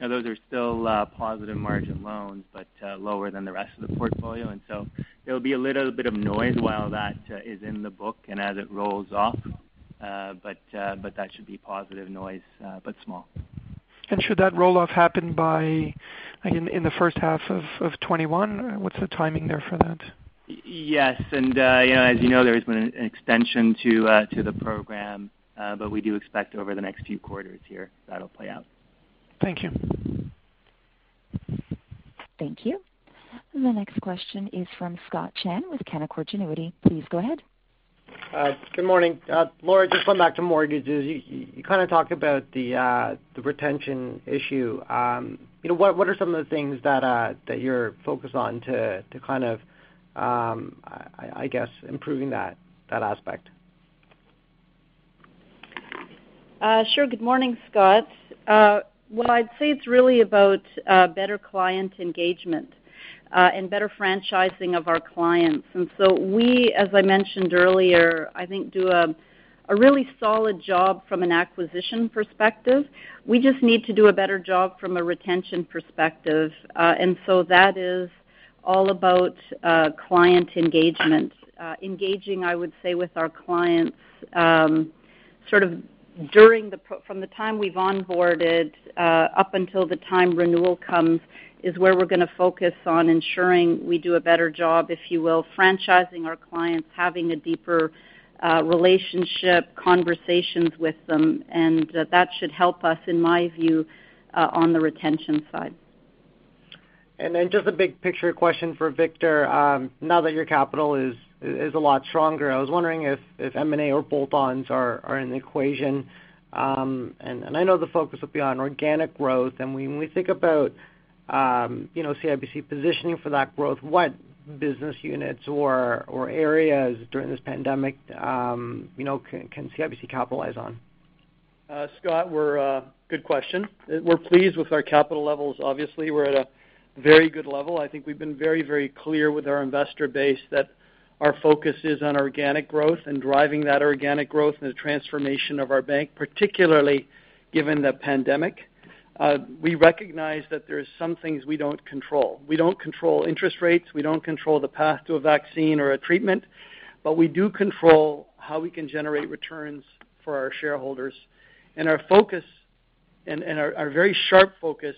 [SPEAKER 4] Those are still positive margin loans, but lower than the rest of the portfolio. There will be a little bit of noise while that is in the book and as it rolls off, but that should be positive noise, but small.
[SPEAKER 8] Should that roll off happen by, again, in the first half of 2021? What's the timing there for that?
[SPEAKER 4] Yes. As you know, there has been an extension to the program, but we do expect over the next few quarters here that it'll play out.
[SPEAKER 8] Thank you.
[SPEAKER 1] Thank you. The next question is from Scott Chan with Canaccord Genuity. Please go ahead.
[SPEAKER 9] Good morning. Laura, just going back to mortgages, you kind of talked about the retention issue. What are some of the things that you're focused on to kind of, I guess, improving that aspect?
[SPEAKER 6] Sure. Good morning, Scott. I would say it's really about better client engagement and better franchise of our clients. As I mentioned earlier, I think we do a really solid job from an acquisition perspective. We just need to do a better job from a retention perspective. That is all about client engagement, engaging, I would say, with our clients sort of from the time we've onboarded up until the time renewal comes is where we're going to focus on ensuring we do a better job, if you will, franchise our clients, having a deeper relationship, conversations with them. That should help us, in my view, on the retention side.
[SPEAKER 9] Just a big picture question for Victor. Now that your capital is a lot stronger, I was wondering if M&A or bolt-ons are in the equation. I know the focus will be on organic growth. When we think about CIBC positioning for that growth, what business units or areas during this pandemic can CIBC capitalize on?
[SPEAKER 3] Scott, good question. We're pleased with our capital levels. Obviously, we're at a very good level. I think we've been very, very clear with our investor base that our focus is on organic growth and driving that organic growth and the transformation of our bank, particularly given the pandemic. We recognize that there are some things we don't control. We don't control interest rates. We don't control the path to a vaccine or a treatment, but we do control how we can generate returns for our shareholders. Our focus and our very sharp focus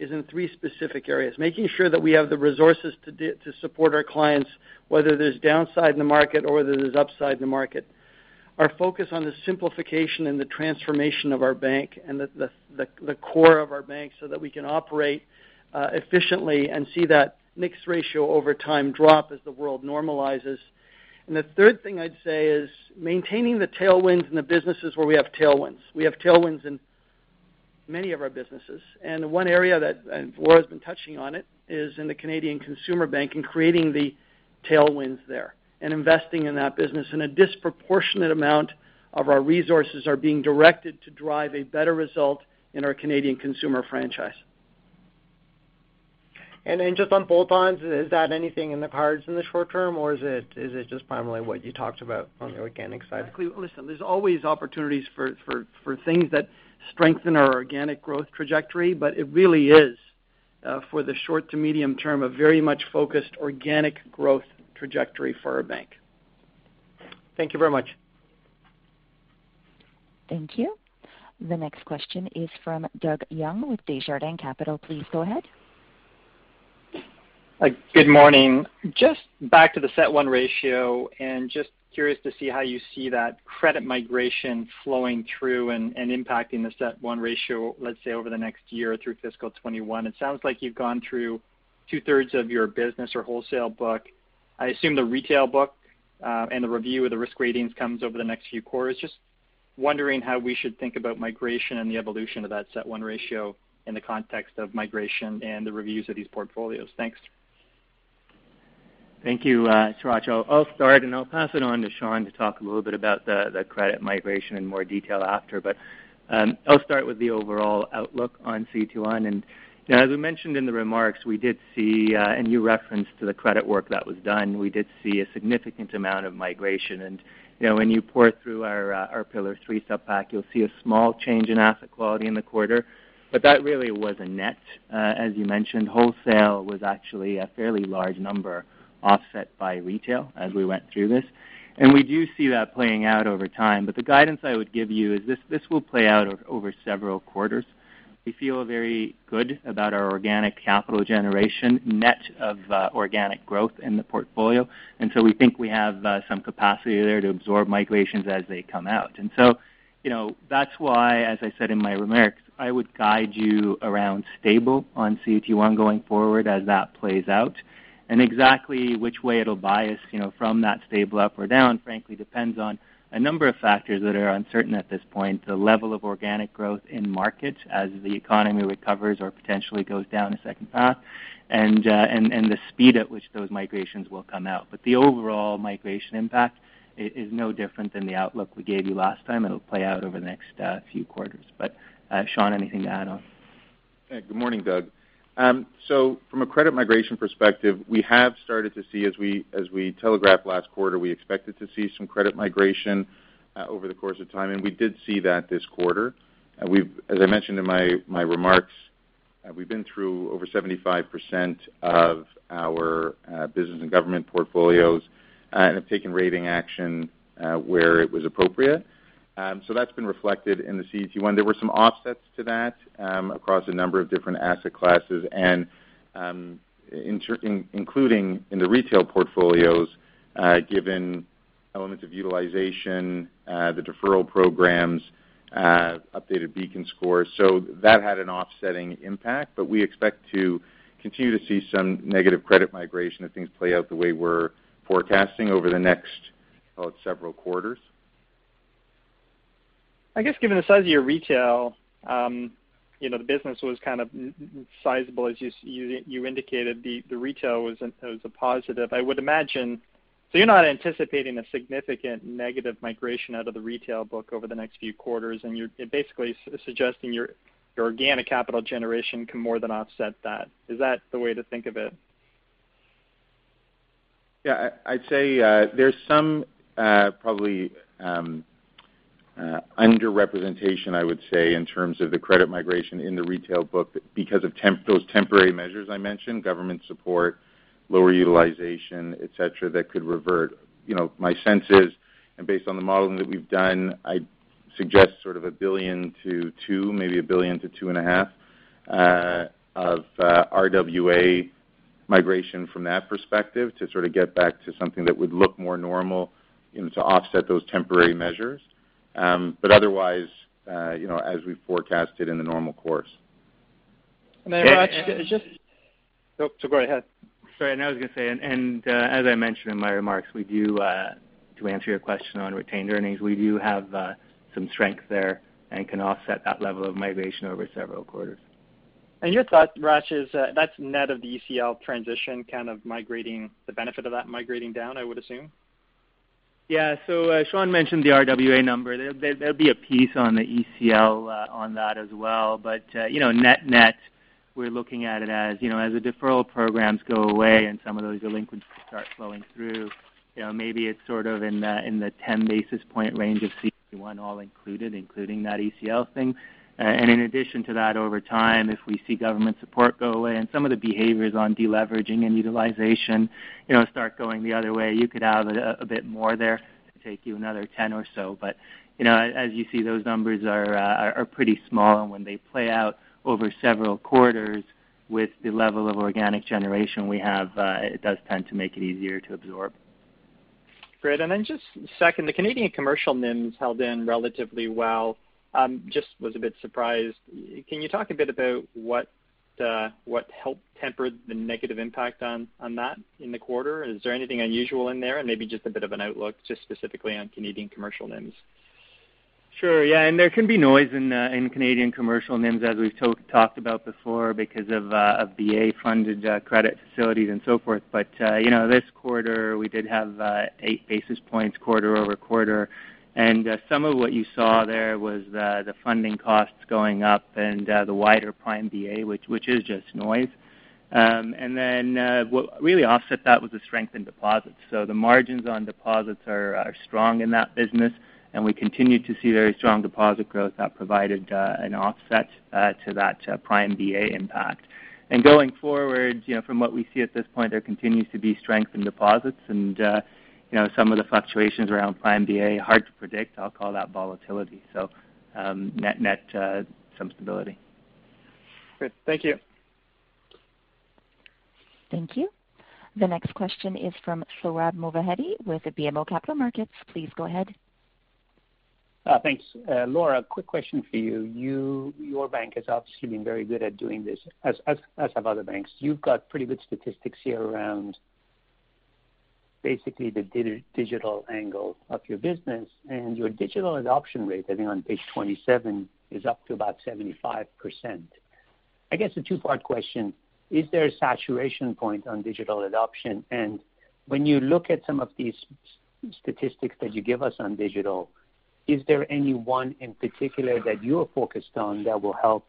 [SPEAKER 3] is in 3 specific areas: making sure that we have the resources to support our clients, whether there is downside in the market or whether there is upside in the market. Our focus is on the simplification and the transformation of our bank and the core of our bank so that we can operate efficiently and see that mixed ratio over time drop as the world normalizes. The third thing I would say is maintaining the tailwinds in the businesses where we have tailwinds. We have tailwinds in many of our businesses. One area that Laura has been touching on is in the Canadian Consumer Bank and creating the tailwinds there and investing in that business. A disproportionate amount of our resources are being directed to drive a better result in our Canadian Consumer franchise.
[SPEAKER 9] Just on bolt-ons, is that anything in the cards in the short term, or is it just primarily what you talked about on the organic side?
[SPEAKER 3] Listen, there's always opportunities for things that strengthen our organic growth trajectory, but it really is, for the short to medium term, a very much focused organic growth trajectory for our bank.
[SPEAKER 9] Thank you very much.
[SPEAKER 1] Thank you. The next question is from Doug Young with Desjardins Capital Markets. Please go ahead.
[SPEAKER 10] Good morning. Just back to the CET1 ratio and just curious to see how you see that credit migration flowing through and impacting the CET1 ratio, let's say, over the next year through fiscal 2021. It sounds like you've gone through 2-thirds of your business or wholesale book. I assume the retail book and the review of the risk ratings comes over the next few quarters. Just wondering how we should think about migration and the evolution of that CET1 ratio in the context of migration and the reviews of these portfolios. Thanks.
[SPEAKER 4] Thank you, Hratch. I'll start, and I'll pass it on to Shawn to talk a little bit about the credit migration in more detail after, but I'll start with the overall outlook on 2021. As we mentioned in the remarks, we did see, and you referenced the credit work that was done, we did see a significant amount of migration. When you pour through our Pillar 3 subpack, you'll see a small change in asset quality in the quarter, but that really was a net, as you mentioned. Wholesale was actually a fairly large number offset by retail as we went through this. We do see that playing out over time, but the guidance I would give you is this will play out over several quarters. We feel very good about our organic capital generation net of organic growth in the portfolio, and we think we have some capacity there to absorb migrations as they come out. That is why, as I said in my remarks, I would guide you around stable on 2021 going forward as that plays out. Exactly which way it will bias from that stable up or down, frankly, depends on a number of factors that are uncertain at this point: the level of organic growth in markets as the economy recovers or potentially goes down a second path, and the speed at which those migrations will come out. The overall migration impact is no different than the outlook we gave you last time. It'll play out over the next few quarters. Shawn, anything to add on?
[SPEAKER 5] Good morning, Doug. From a credit migration perspective, we have started to see, as we telegraphed last quarter, we expected to see some credit migration over the course of time, and we did see that this quarter. As I mentioned in my remarks, we've been through over 75% of our business and government portfolios and have taken rating action where it was appropriate. That has been reflected in the 2021. There were some offsets to that across a number of different asset classes, including in the retail portfolios, given elements of utilization, the deferral programs, updated Beacon scores. That had an offsetting impact, but we expect to continue to see some negative credit migration if things play out the way we're forecasting over the next, call it, several quarters.
[SPEAKER 10] I guess given the size of your retail, the business was kind of sizable, as you indicated. The retail was a positive. I would imagine so you're not anticipating a significant negative migration out of the retail book over the next few quarters, and you're basically suggesting your organic capital generation can more than offset that. Is that the way to think of it?
[SPEAKER 5] Yeah. I'd say there's some probably underrepresentation, I would say, in terms of the credit migration in the retail book because of those temporary measures I mentioned: government support, lower utilization, etc., that could revert. My sense is, and based on the modeling that we've done, I'd suggest sort of $1 billion-$2 billion, maybe $1 billion-$2.5 billion of RWA migration from that perspective to sort of get back to something that would look more normal to offset those temporary measures. Otherwise, as we forecast it in the normal course.
[SPEAKER 10] I'm sorry.
[SPEAKER 5] Go ahead.
[SPEAKER 4] Sorry. I was going to say, as I mentioned in my remarks, to answer your question on retained earnings, we do have some strength there and can offset that level of migration over several quarters.
[SPEAKER 10] Your thought, Hratch, is that's net of the ECL transition, kind of the benefit of that migrating down, I would assume? Yeah. Shawn mentioned the RWA number.
[SPEAKER 4] There will be a piece on the ECL on that as well. Net-net, we're looking at it as, as the deferral programs go away and some of those delinquencies start flowing through, maybe it's sort of in the 10 basis point range of 2021, all included, including that ECL thing. In addition to that, over time, if we see government support go away and some of the behaviors on deleveraging and utilization start going the other way, you could have a bit more there to take you another 10 or so. As you see, those numbers are pretty small, and when they play out over several quarters with the level of organic generation we have, it does tend to make it easier to absorb.
[SPEAKER 10] Great. Just a second, the Canadian Commercial NIMs held in relatively well. I was a bit surprised. Can you talk a bit about what helped temper the negative impact on that in the quarter? Is there anything unusual in there? Maybe just a bit of an outlook just specifically on Canadian Commercial NIMs.
[SPEAKER 4] Sure. Yeah. There can be noise in Canadian Commercial NIMs, as we've talked about before, because of BA-funded credit facilities and so forth. This quarter, we did have 8 basis points quarter over quarter. Some of what you saw there was the funding costs going up and the wider Prime BA, which is just noise. What really offset that was the strength in deposits. The margins on deposits are strong in that business, and we continued to see very strong deposit growth that provided an offset to that Prime BA impact. Going forward, from what we see at this point, there continues to be strength in deposits. Some of the fluctuations Prime BA are hard to predict, I'll call that volatility. Net-net, some stability.
[SPEAKER 10] Great. Thank you.
[SPEAKER 1] Thank you. The next question is from Sohrab Movahedi with BMO Capital Markets. Please go ahead.
[SPEAKER 11] Thanks. Laura, quick question for you. Your bank has obviously been very good at doing this, as have other banks. You've got pretty good statistics here around basically the digital angle of your business. And your digital adoption rate, I think on page 27, is up to about 75%. I guess a 2-part question: Is there a saturation point on digital adoption? And when you look at some of these statistics that you give us on digital, is there any one in particular that you are focused on that will help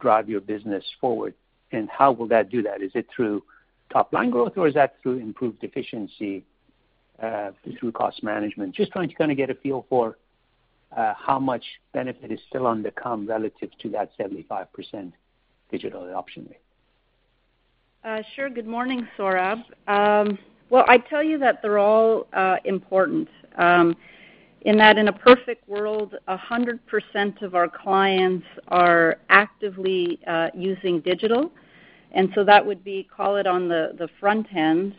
[SPEAKER 11] drive your business forward? And how will that do that? Is it through top-line growth, or is that through improved efficiency, through cost management? Just trying to kind of get a feel for how much benefit is still on the come relative to that 75% digital adoption rate. Sure.
[SPEAKER 12] Good morning, Sohrab. I would tell you that they're all important in that, in a perfect world, 100% of our clients are actively using digital. That would be, call it, on the front end.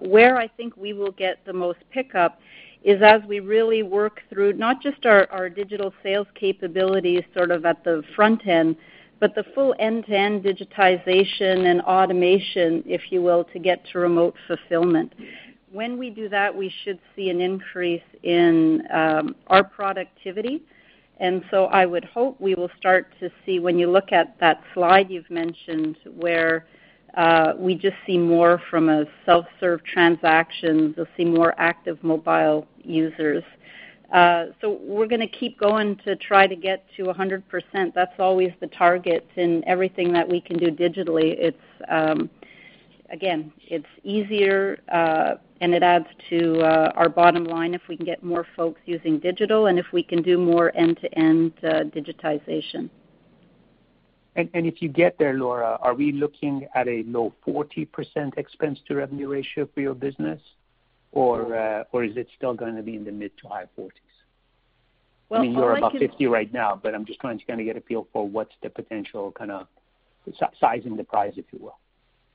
[SPEAKER 12] Where I think we will get the most pickup is as we really work through not just our digital sales capabilities, sort of at the front end, but the full end-to-end digitization and automation, if you will, to get to remote fulfillment. When we do that, we should see an increase in our productivity. I would hope we will start to see, when you look at that slide you have mentioned, where we just see more from a self-serve transaction. You will see more active mobile users. We are going to keep going to try to get to 100%. That is always the target. Everything that we can do digitally, again, it's easier, and it adds to our bottom line if we can get more folks using digital and if we can do more end-to-end digitization.
[SPEAKER 11] If you get there, Laura, are we looking at a low 40% expense-to-revenue ratio for your business, or is it still going to be in the mid to high 40s? I mean, you're above 50% right now, but I'm just trying to kind of get a feel for what's the potential, kind of sizing the prize, if you will.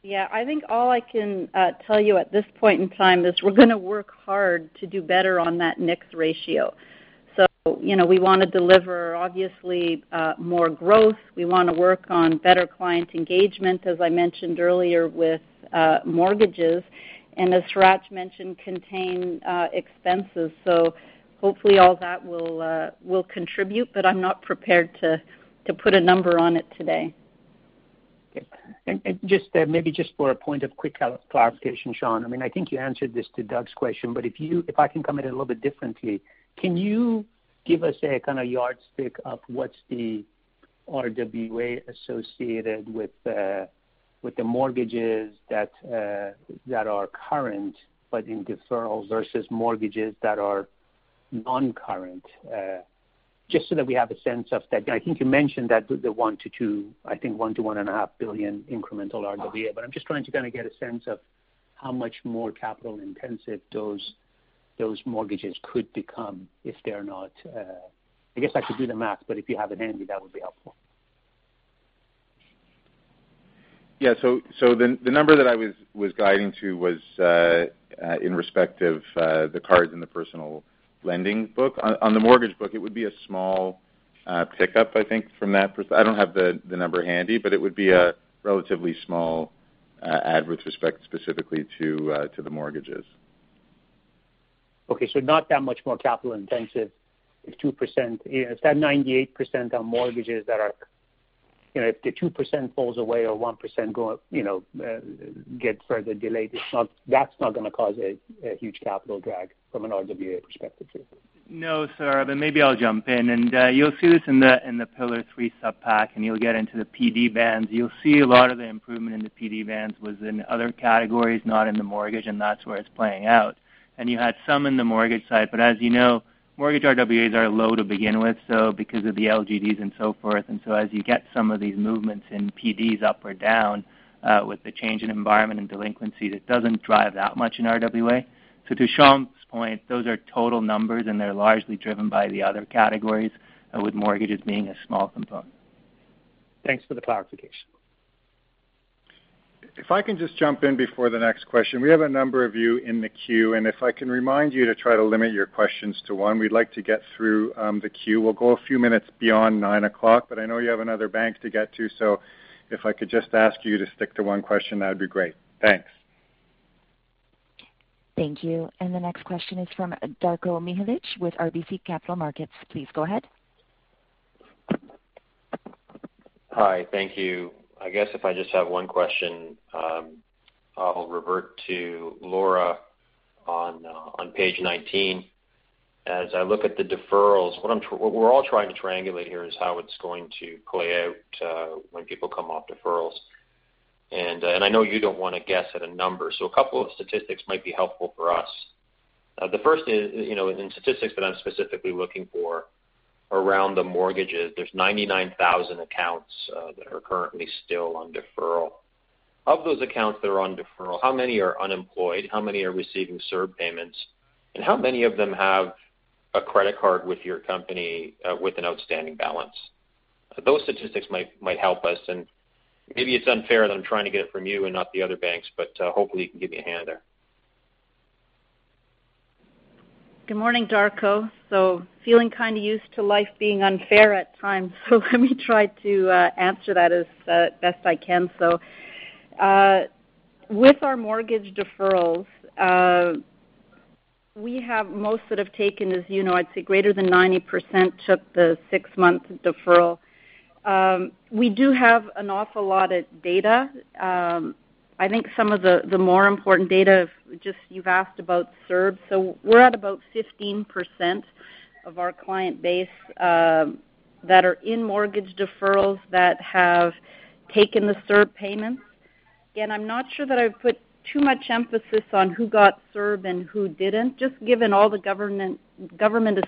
[SPEAKER 12] Yeah. I think all I can tell you at this point in time is we're going to work hard to do better on that efficiency ratio. We want to deliver, obviously, more growth. We want to work on better client engagement, as I mentioned earlier, with mortgages. As Hratch mentioned, contain expenses. Hopefully all that will contribute, but I'm not prepared to put a number on it today.
[SPEAKER 11] Maybe just for a point of quick clarification, Shawn, I mean, I think you answered this to Doug's question, but if I can come at it a little bit differently, can you give us a kind of yardstick of what's the RWA associated with the mortgages that are current but in deferral versus mortgages that are non-current, just so that we have a sense of that? I think you mentioned that the one to 2, I think $1,000,000,000 to $1,500,000,000 incremental RWA, but I'm just trying to kind of get a sense of how much more capital-intensive those mortgages could become if they're not—I guess I could do the math, but if you have it handy, that would be helpful.
[SPEAKER 5] Yeah. The number that I was guiding to was in respect of the cards in the personal lending book. On the mortgage book, it would be a small pickup, I think, from that. I do not have the number handy, but it would be a relatively small add with respect specifically to the mortgages.
[SPEAKER 11] Okay. Not that much more capital-intensive if 2% is that 98% on mortgages that are, if the 2% falls away or 1% gets further delayed, that is not going to cause a huge capital drag from an RWA perspective, too.
[SPEAKER 4] No, sir. Maybe I will jump in. You will see this in the Pillar 3 subpack, and you will get into the PD bands. You will see a lot of the improvement in the PD bands was in other categories, not in the mortgage, and that is where it is playing out. You had some in the mortgage side, but as you know, mortgage RWAs are low to begin with, because of the LGDs and so forth. As you get some of these movements in PDs up or down with the change in environment and delinquencies, it does not drive that much in RWA. To Shawn's point, those are total numbers, and they are largely driven by the other categories, with mortgages being a small component.
[SPEAKER 11] Thanks for the clarification.
[SPEAKER 5] If I can just jump in before the next question, we have a number of you in the queue, and if I can remind you to try to limit your questions to 1, we would like to get through the queue. We'll go a few minutes beyond 9:00, but I know you have another bank to get to, so if I could just ask you to stick to one question, that would be great. Thanks. Thank you. The next question is from Darko Mihelic with RBC Capital Markets. Please go ahead.
[SPEAKER 13] Hi. Thank you. I guess if I just have one question, I'll revert to Laura on page 19. As I look at the deferrals, what we're all trying to triangulate here is how it's going to play out when people come off deferrals. I know you don't want to guess at a number, so a couple of statistics might be helpful for us. The first is, in statistics that I'm specifically looking for around the mortgages, there's 99,000 accounts that are currently still on deferral. Of those accounts that are on deferral, how many are unemployed? How many are receiving CERB payments? And how many of them have a credit card with your company with an outstanding balance? Those statistics might help us. Maybe it's unfair that I'm trying to get it from you and not the other banks, but hopefully you can give me a hand there.
[SPEAKER 12] Good morning, Darko. Feeling kind of used to life being unfair at times, let me try to answer that as best I can. With our mortgage deferrals, we have most that have taken, as you know, I'd say greater than 90% took the 6-month deferral. We do have an awful lot of data. I think some of the more important data, just you've asked about CERB, we're at about 15% of our client base that are in mortgage deferrals that have taken the CERB payments. Again, I'm not sure that I would put too much emphasis on who got CERB and who didn't. Just given all the government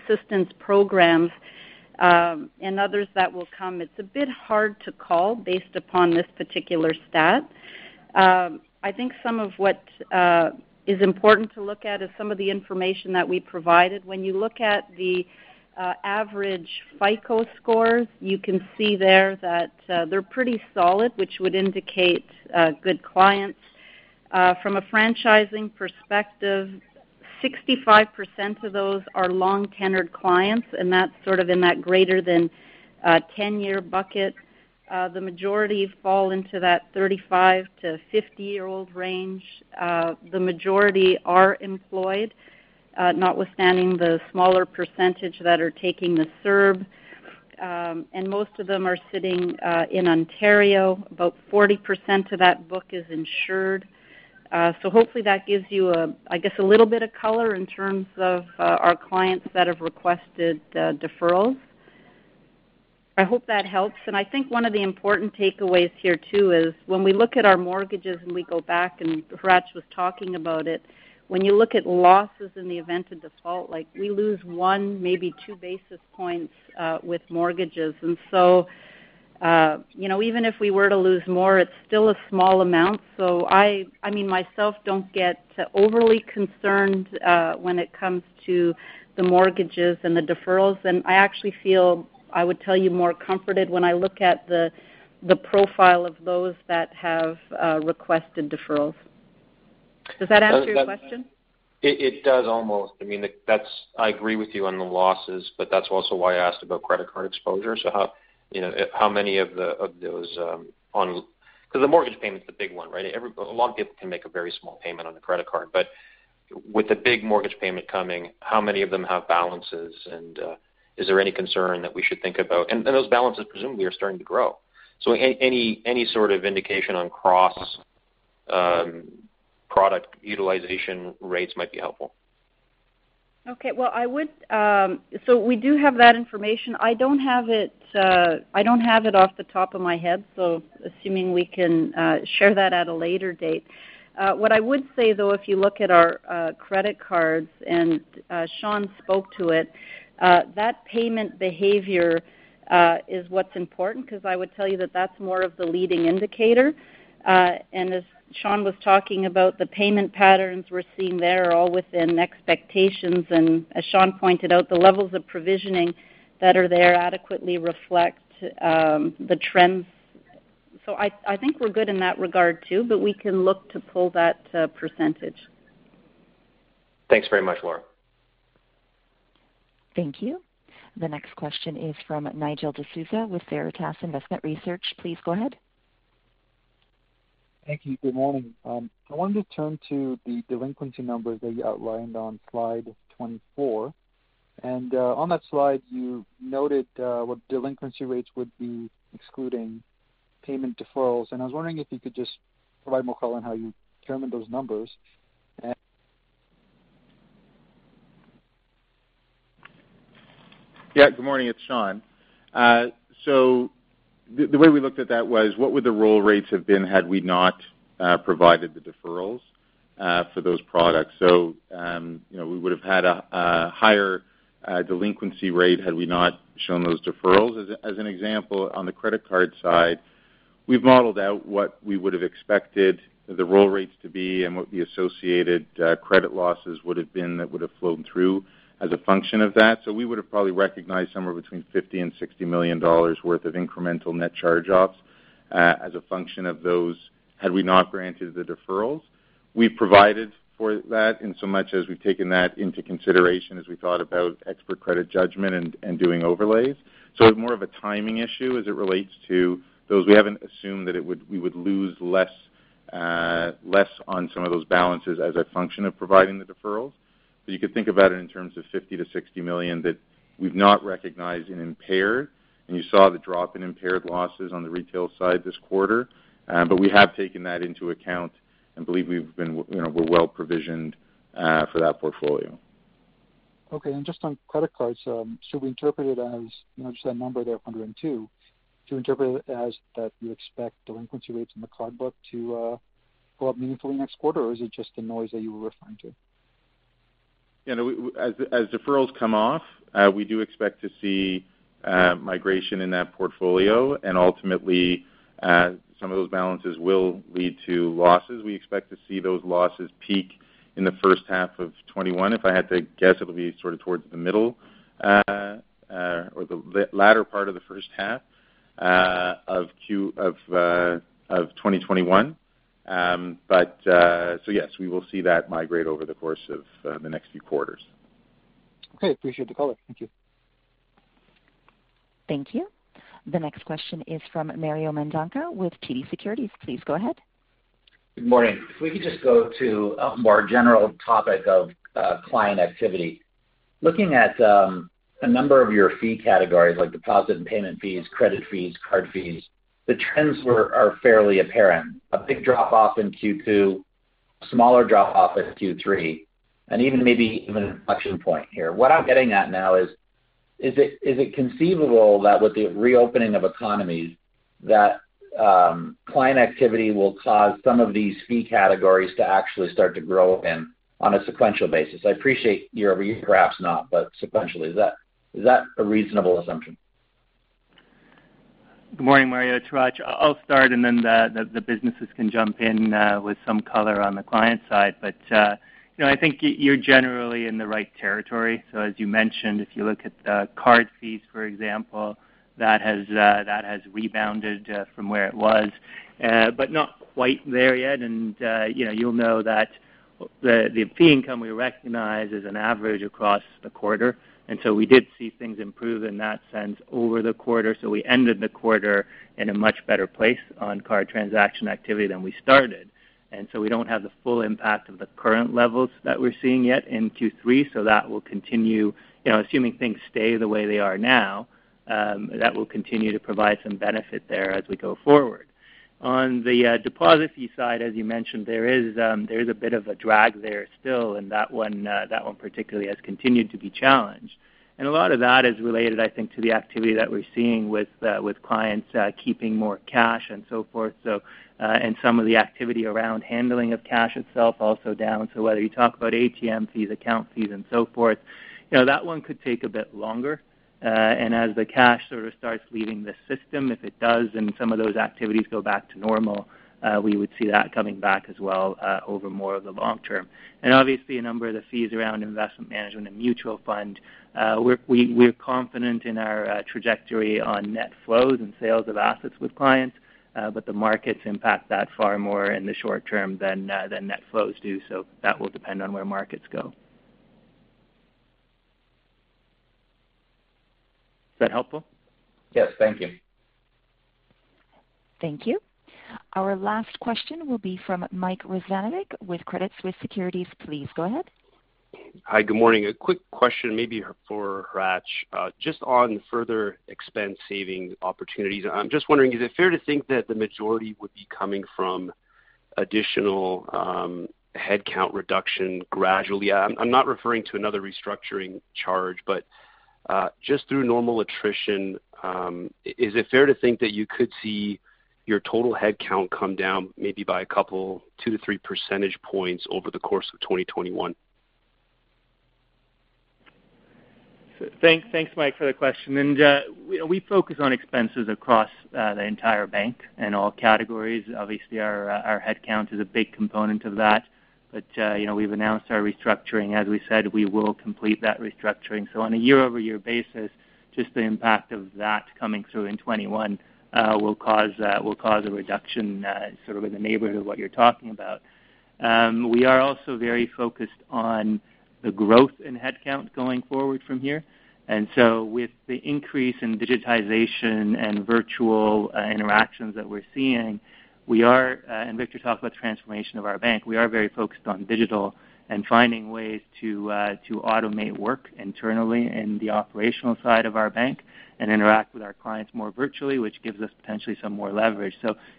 [SPEAKER 12] assistance programs and others that will come, it's a bit hard to call based upon this particular stat. I think some of what is important to look at is some of the information that we provided. When you look at the average FICO scores, you can see there that they're pretty solid, which would indicate good clients. From a franchise perspective, 65% of those are long-tenured clients, and that's sort of in that greater than 10-year bucket. The majority fall into that 35- to 50-year-old range. The majority are employed, notwithstanding the smaller percentage that are taking the CERB. And most of them are sitting in Ontario. About 40% of that book is insured. Hopefully that gives you, I guess, a little bit of color in terms of our clients that have requested deferrals. I hope that helps. I think one of the important takeaways here, too, is when we look at our mortgages and we go back, and Hratch was talking about it, when you look at losses in the event of default, we lose 1, maybe 2 basis points with mortgages. Even if we were to lose more, it is still a small amount. I mean, myself, I do not get overly concerned when it comes to the mortgages and the deferrals. I actually feel, I would tell you, more comforted when I look at the profile of those that have requested deferrals. Does that answer your question?
[SPEAKER 13] It does almost. I mean, I agree with you on the losses, but that's also why I asked about credit card exposure. How many of those on because the mortgage payment's the big one, right? A lot of people can make a very small payment on a credit card. With the big mortgage payment coming, how many of them have balances? Is there any concern that we should think about? Those balances, presumably, are starting to grow. Any sort of indication on cross-product utilization rates might be helpful.
[SPEAKER 12] Okay. I would say we do have that information. I don't have it off the top of my head, so assuming we can share that at a later date. What I would say, though, if you look at our credit cards, and Shawn spoke to it, that payment behavior is what's important because I would tell you that that's more of the leading indicator. As Shawn was talking about, the payment patterns we're seeing there are all within expectations. As Shawn pointed out, the levels of provisioning that are there adequately reflect the trends. I think we're good in that regard, too, but we can look to pull that percentage.
[SPEAKER 13] Thanks very much, Laura.
[SPEAKER 1] Thank you. The next question is from Nigel D'Souza with Veritas Investment Research. Please go ahead.
[SPEAKER 14] Thank you. Good morning. I wanted to turn to the delinquency numbers that you outlined on slide 24. On that slide, you noted what delinquency rates would be excluding payment deferrals. I was wondering if you could just provide more color on how you determined those numbers.
[SPEAKER 5] Yeah. Good morning. It's Shawn. The way we looked at that was, what would the roll rates have been had we not provided the deferrals for those products? We would have had a higher delinquency rate had we not shown those deferrals. As an example, on the credit card side, we've modeled out what we would have expected the roll rates to be and what the associated credit losses would have been that would have flown through as a function of that. We would have probably recognized somewhere between $50 million-$60 million worth of incremental net charge-offs as a function of those had we not granted the deferrals. We've provided for that in so much as we've taken that into consideration as we thought about expert credit judgment and doing overlays. It is more of a timing issue as it relates to those. We haven't assumed that we would lose less on some of those balances as a function of providing the deferrals. You could think about it in terms of 50 million-60 million that we've not recognized in impaired. You saw the drop in impaired losses on the retail side this quarter, but we have taken that into account and believe we're well provisioned for that portfolio.
[SPEAKER 14] Okay. Just on credit cards, should we interpret it as just that number there of 102? Should we interpret it as that you expect delinquency rates in the card book to go up meaningfully next quarter, or is it just the noise that you were referring to?
[SPEAKER 5] Yeah. As deferrals come off, we do expect to see migration in that portfolio. Ultimately, some of those balances will lead to losses. We expect to see those losses peak in the first half of 2021. If I had to guess, it will be sort of towards the middle or the latter part of the first half of 2021. Yes, we will see that migrate over the course of the next few quarters.
[SPEAKER 14] Okay. Appreciate the color. Thank you.
[SPEAKER 1] Thank you. The next question is from Mario Mendonca with TD Securities. Please go ahead.
[SPEAKER 15] Good morning. If we could just go to a more general topic of client activity. Looking at a number of your fee categories like deposit and payment fees, credit fees, card fees, the trends are fairly apparent. A big drop-off in Q2, a smaller drop-off at Q3, and maybe even an inflection point here. What I'm getting at now is, is it conceivable that with the reopening of economies that client activity will cause some of these fee categories to actually start to grow again on a sequential basis? I appreciate your perhaps not, but sequentially. Is that a reasonable assumption?
[SPEAKER 4] Good morning, Mario Mendonca. I'll start, and then the businesses can jump in with some color on the client side. I think you're generally in the right territory. As you mentioned, if you look at the card fees, for example, that has rebounded from where it was, but not quite there yet. You will know that the fee income we recognize is an average across the quarter. We did see things improve in that sense over the quarter. We ended the quarter in a much better place on card transaction activity than we started. We do not have the full impact of the current levels that we are seeing yet in Q3, so that will continue. Assuming things stay the way they are now, that will continue to provide some benefit there as we go forward. On the deposit fee side, as you mentioned, there is a bit of a drag there still, and that one particularly has continued to be challenged. A lot of that is related, I think, to the activity that we are seeing with clients keeping more cash and so forth, and some of the activity around handling of cash itself also down. Whether you talk about ATM fees, account fees, and so forth, that one could take a bit longer. As the cash sort of starts leaving the system, if it does, and some of those activities go back to normal, we would see that coming back as well over more of the long term. Obviously, a number of the fees around investment management and mutual fund, we're confident in our trajectory on net flows and sales of assets with clients, but the markets impact that far more in the short term than net flows do. That will depend on where markets go. Is that helpful?
[SPEAKER 15] Yes. Thank you.
[SPEAKER 1] Thank you. Our last question will be from Mike Reschnovic with Credit Suisse Securities.
[SPEAKER 16] Please go ahead. Hi. Good morning. A quick question maybe for Hratch. Just on the further expense-saving opportunities, I'm just wondering, is it fair to think that the majority would be coming from additional headcount reduction gradually? I'm not referring to another restructuring charge, but just through normal attrition, is it fair to think that you could see your total headcount come down maybe by a couple, 2-3 percentage points over the course of 2021?
[SPEAKER 4] Thanks, Mike, for the question. We focus on expenses across the entire bank and all categories. Obviously, our headcount is a big component of that. We have announced our restructuring. As we said, we will complete that restructuring. On a year-over-year basis, just the impact of that coming through in 2021 will cause a reduction sort of in the neighborhood of what you're talking about. We are also very focused on the growth in headcount going forward from here. With the increase in digitization and virtual interactions that we're seeing, we are—Victor talked about the transformation of our bank—we are very focused on digital and finding ways to automate work internally in the operational side of our bank and interact with our clients more virtually, which gives us potentially some more leverage.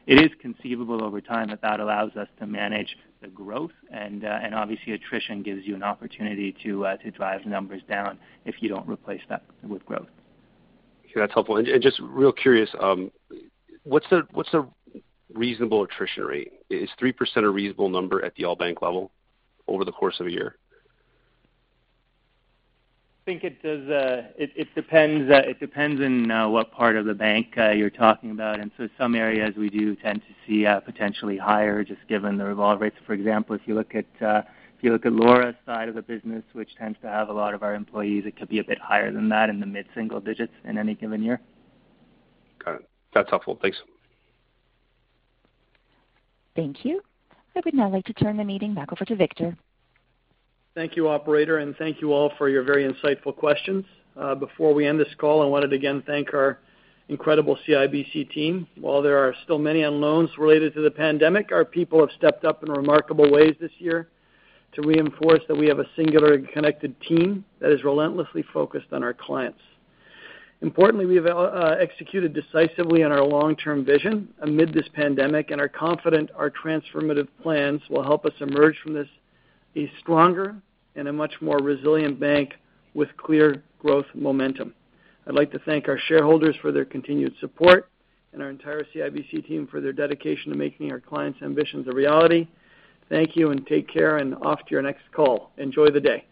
[SPEAKER 4] It is conceivable over time that that allows us to manage the growth. Obviously, attrition gives you an opportunity to drive numbers down if you do not replace that with growth.
[SPEAKER 16] Okay. That's helpful. Just real curious, what's the reasonable attrition rate? Is 3% a reasonable number at the all-bank level over the course of a year?
[SPEAKER 4] I think it depends on what part of the bank you're talking about. Some areas we do tend to see potentially higher just given the revolve rates. For example, if you look at Laura's side of the business, which tends to have a lot of our employees, it could be a bit higher than that in the mid-single digits in any given year.
[SPEAKER 16] Got it. That's helpful.
[SPEAKER 1] Thanks. Thank you. I would now like to turn the meeting back over to Victor.
[SPEAKER 3] Thank you, Operator. Thank you all for your very insightful questions. Before we end this call, I wanted to again thank our incredible CIBC team. While there are still many unknowns related to the pandemic, our people have stepped up in remarkable ways this year to reinforce that we have a singular and connected team that is relentlessly focused on our clients. Importantly, we have executed decisively on our long-term vision amid this pandemic, and are confident our transformative plans will help us emerge from this a stronger and a much more resilient bank with clear growth momentum. I'd like to thank our shareholders for their continued support and our entire CIBC team for their dedication to making our clients' ambitions a reality. Thank you, and take care, and off to your next call. Enjoy the day.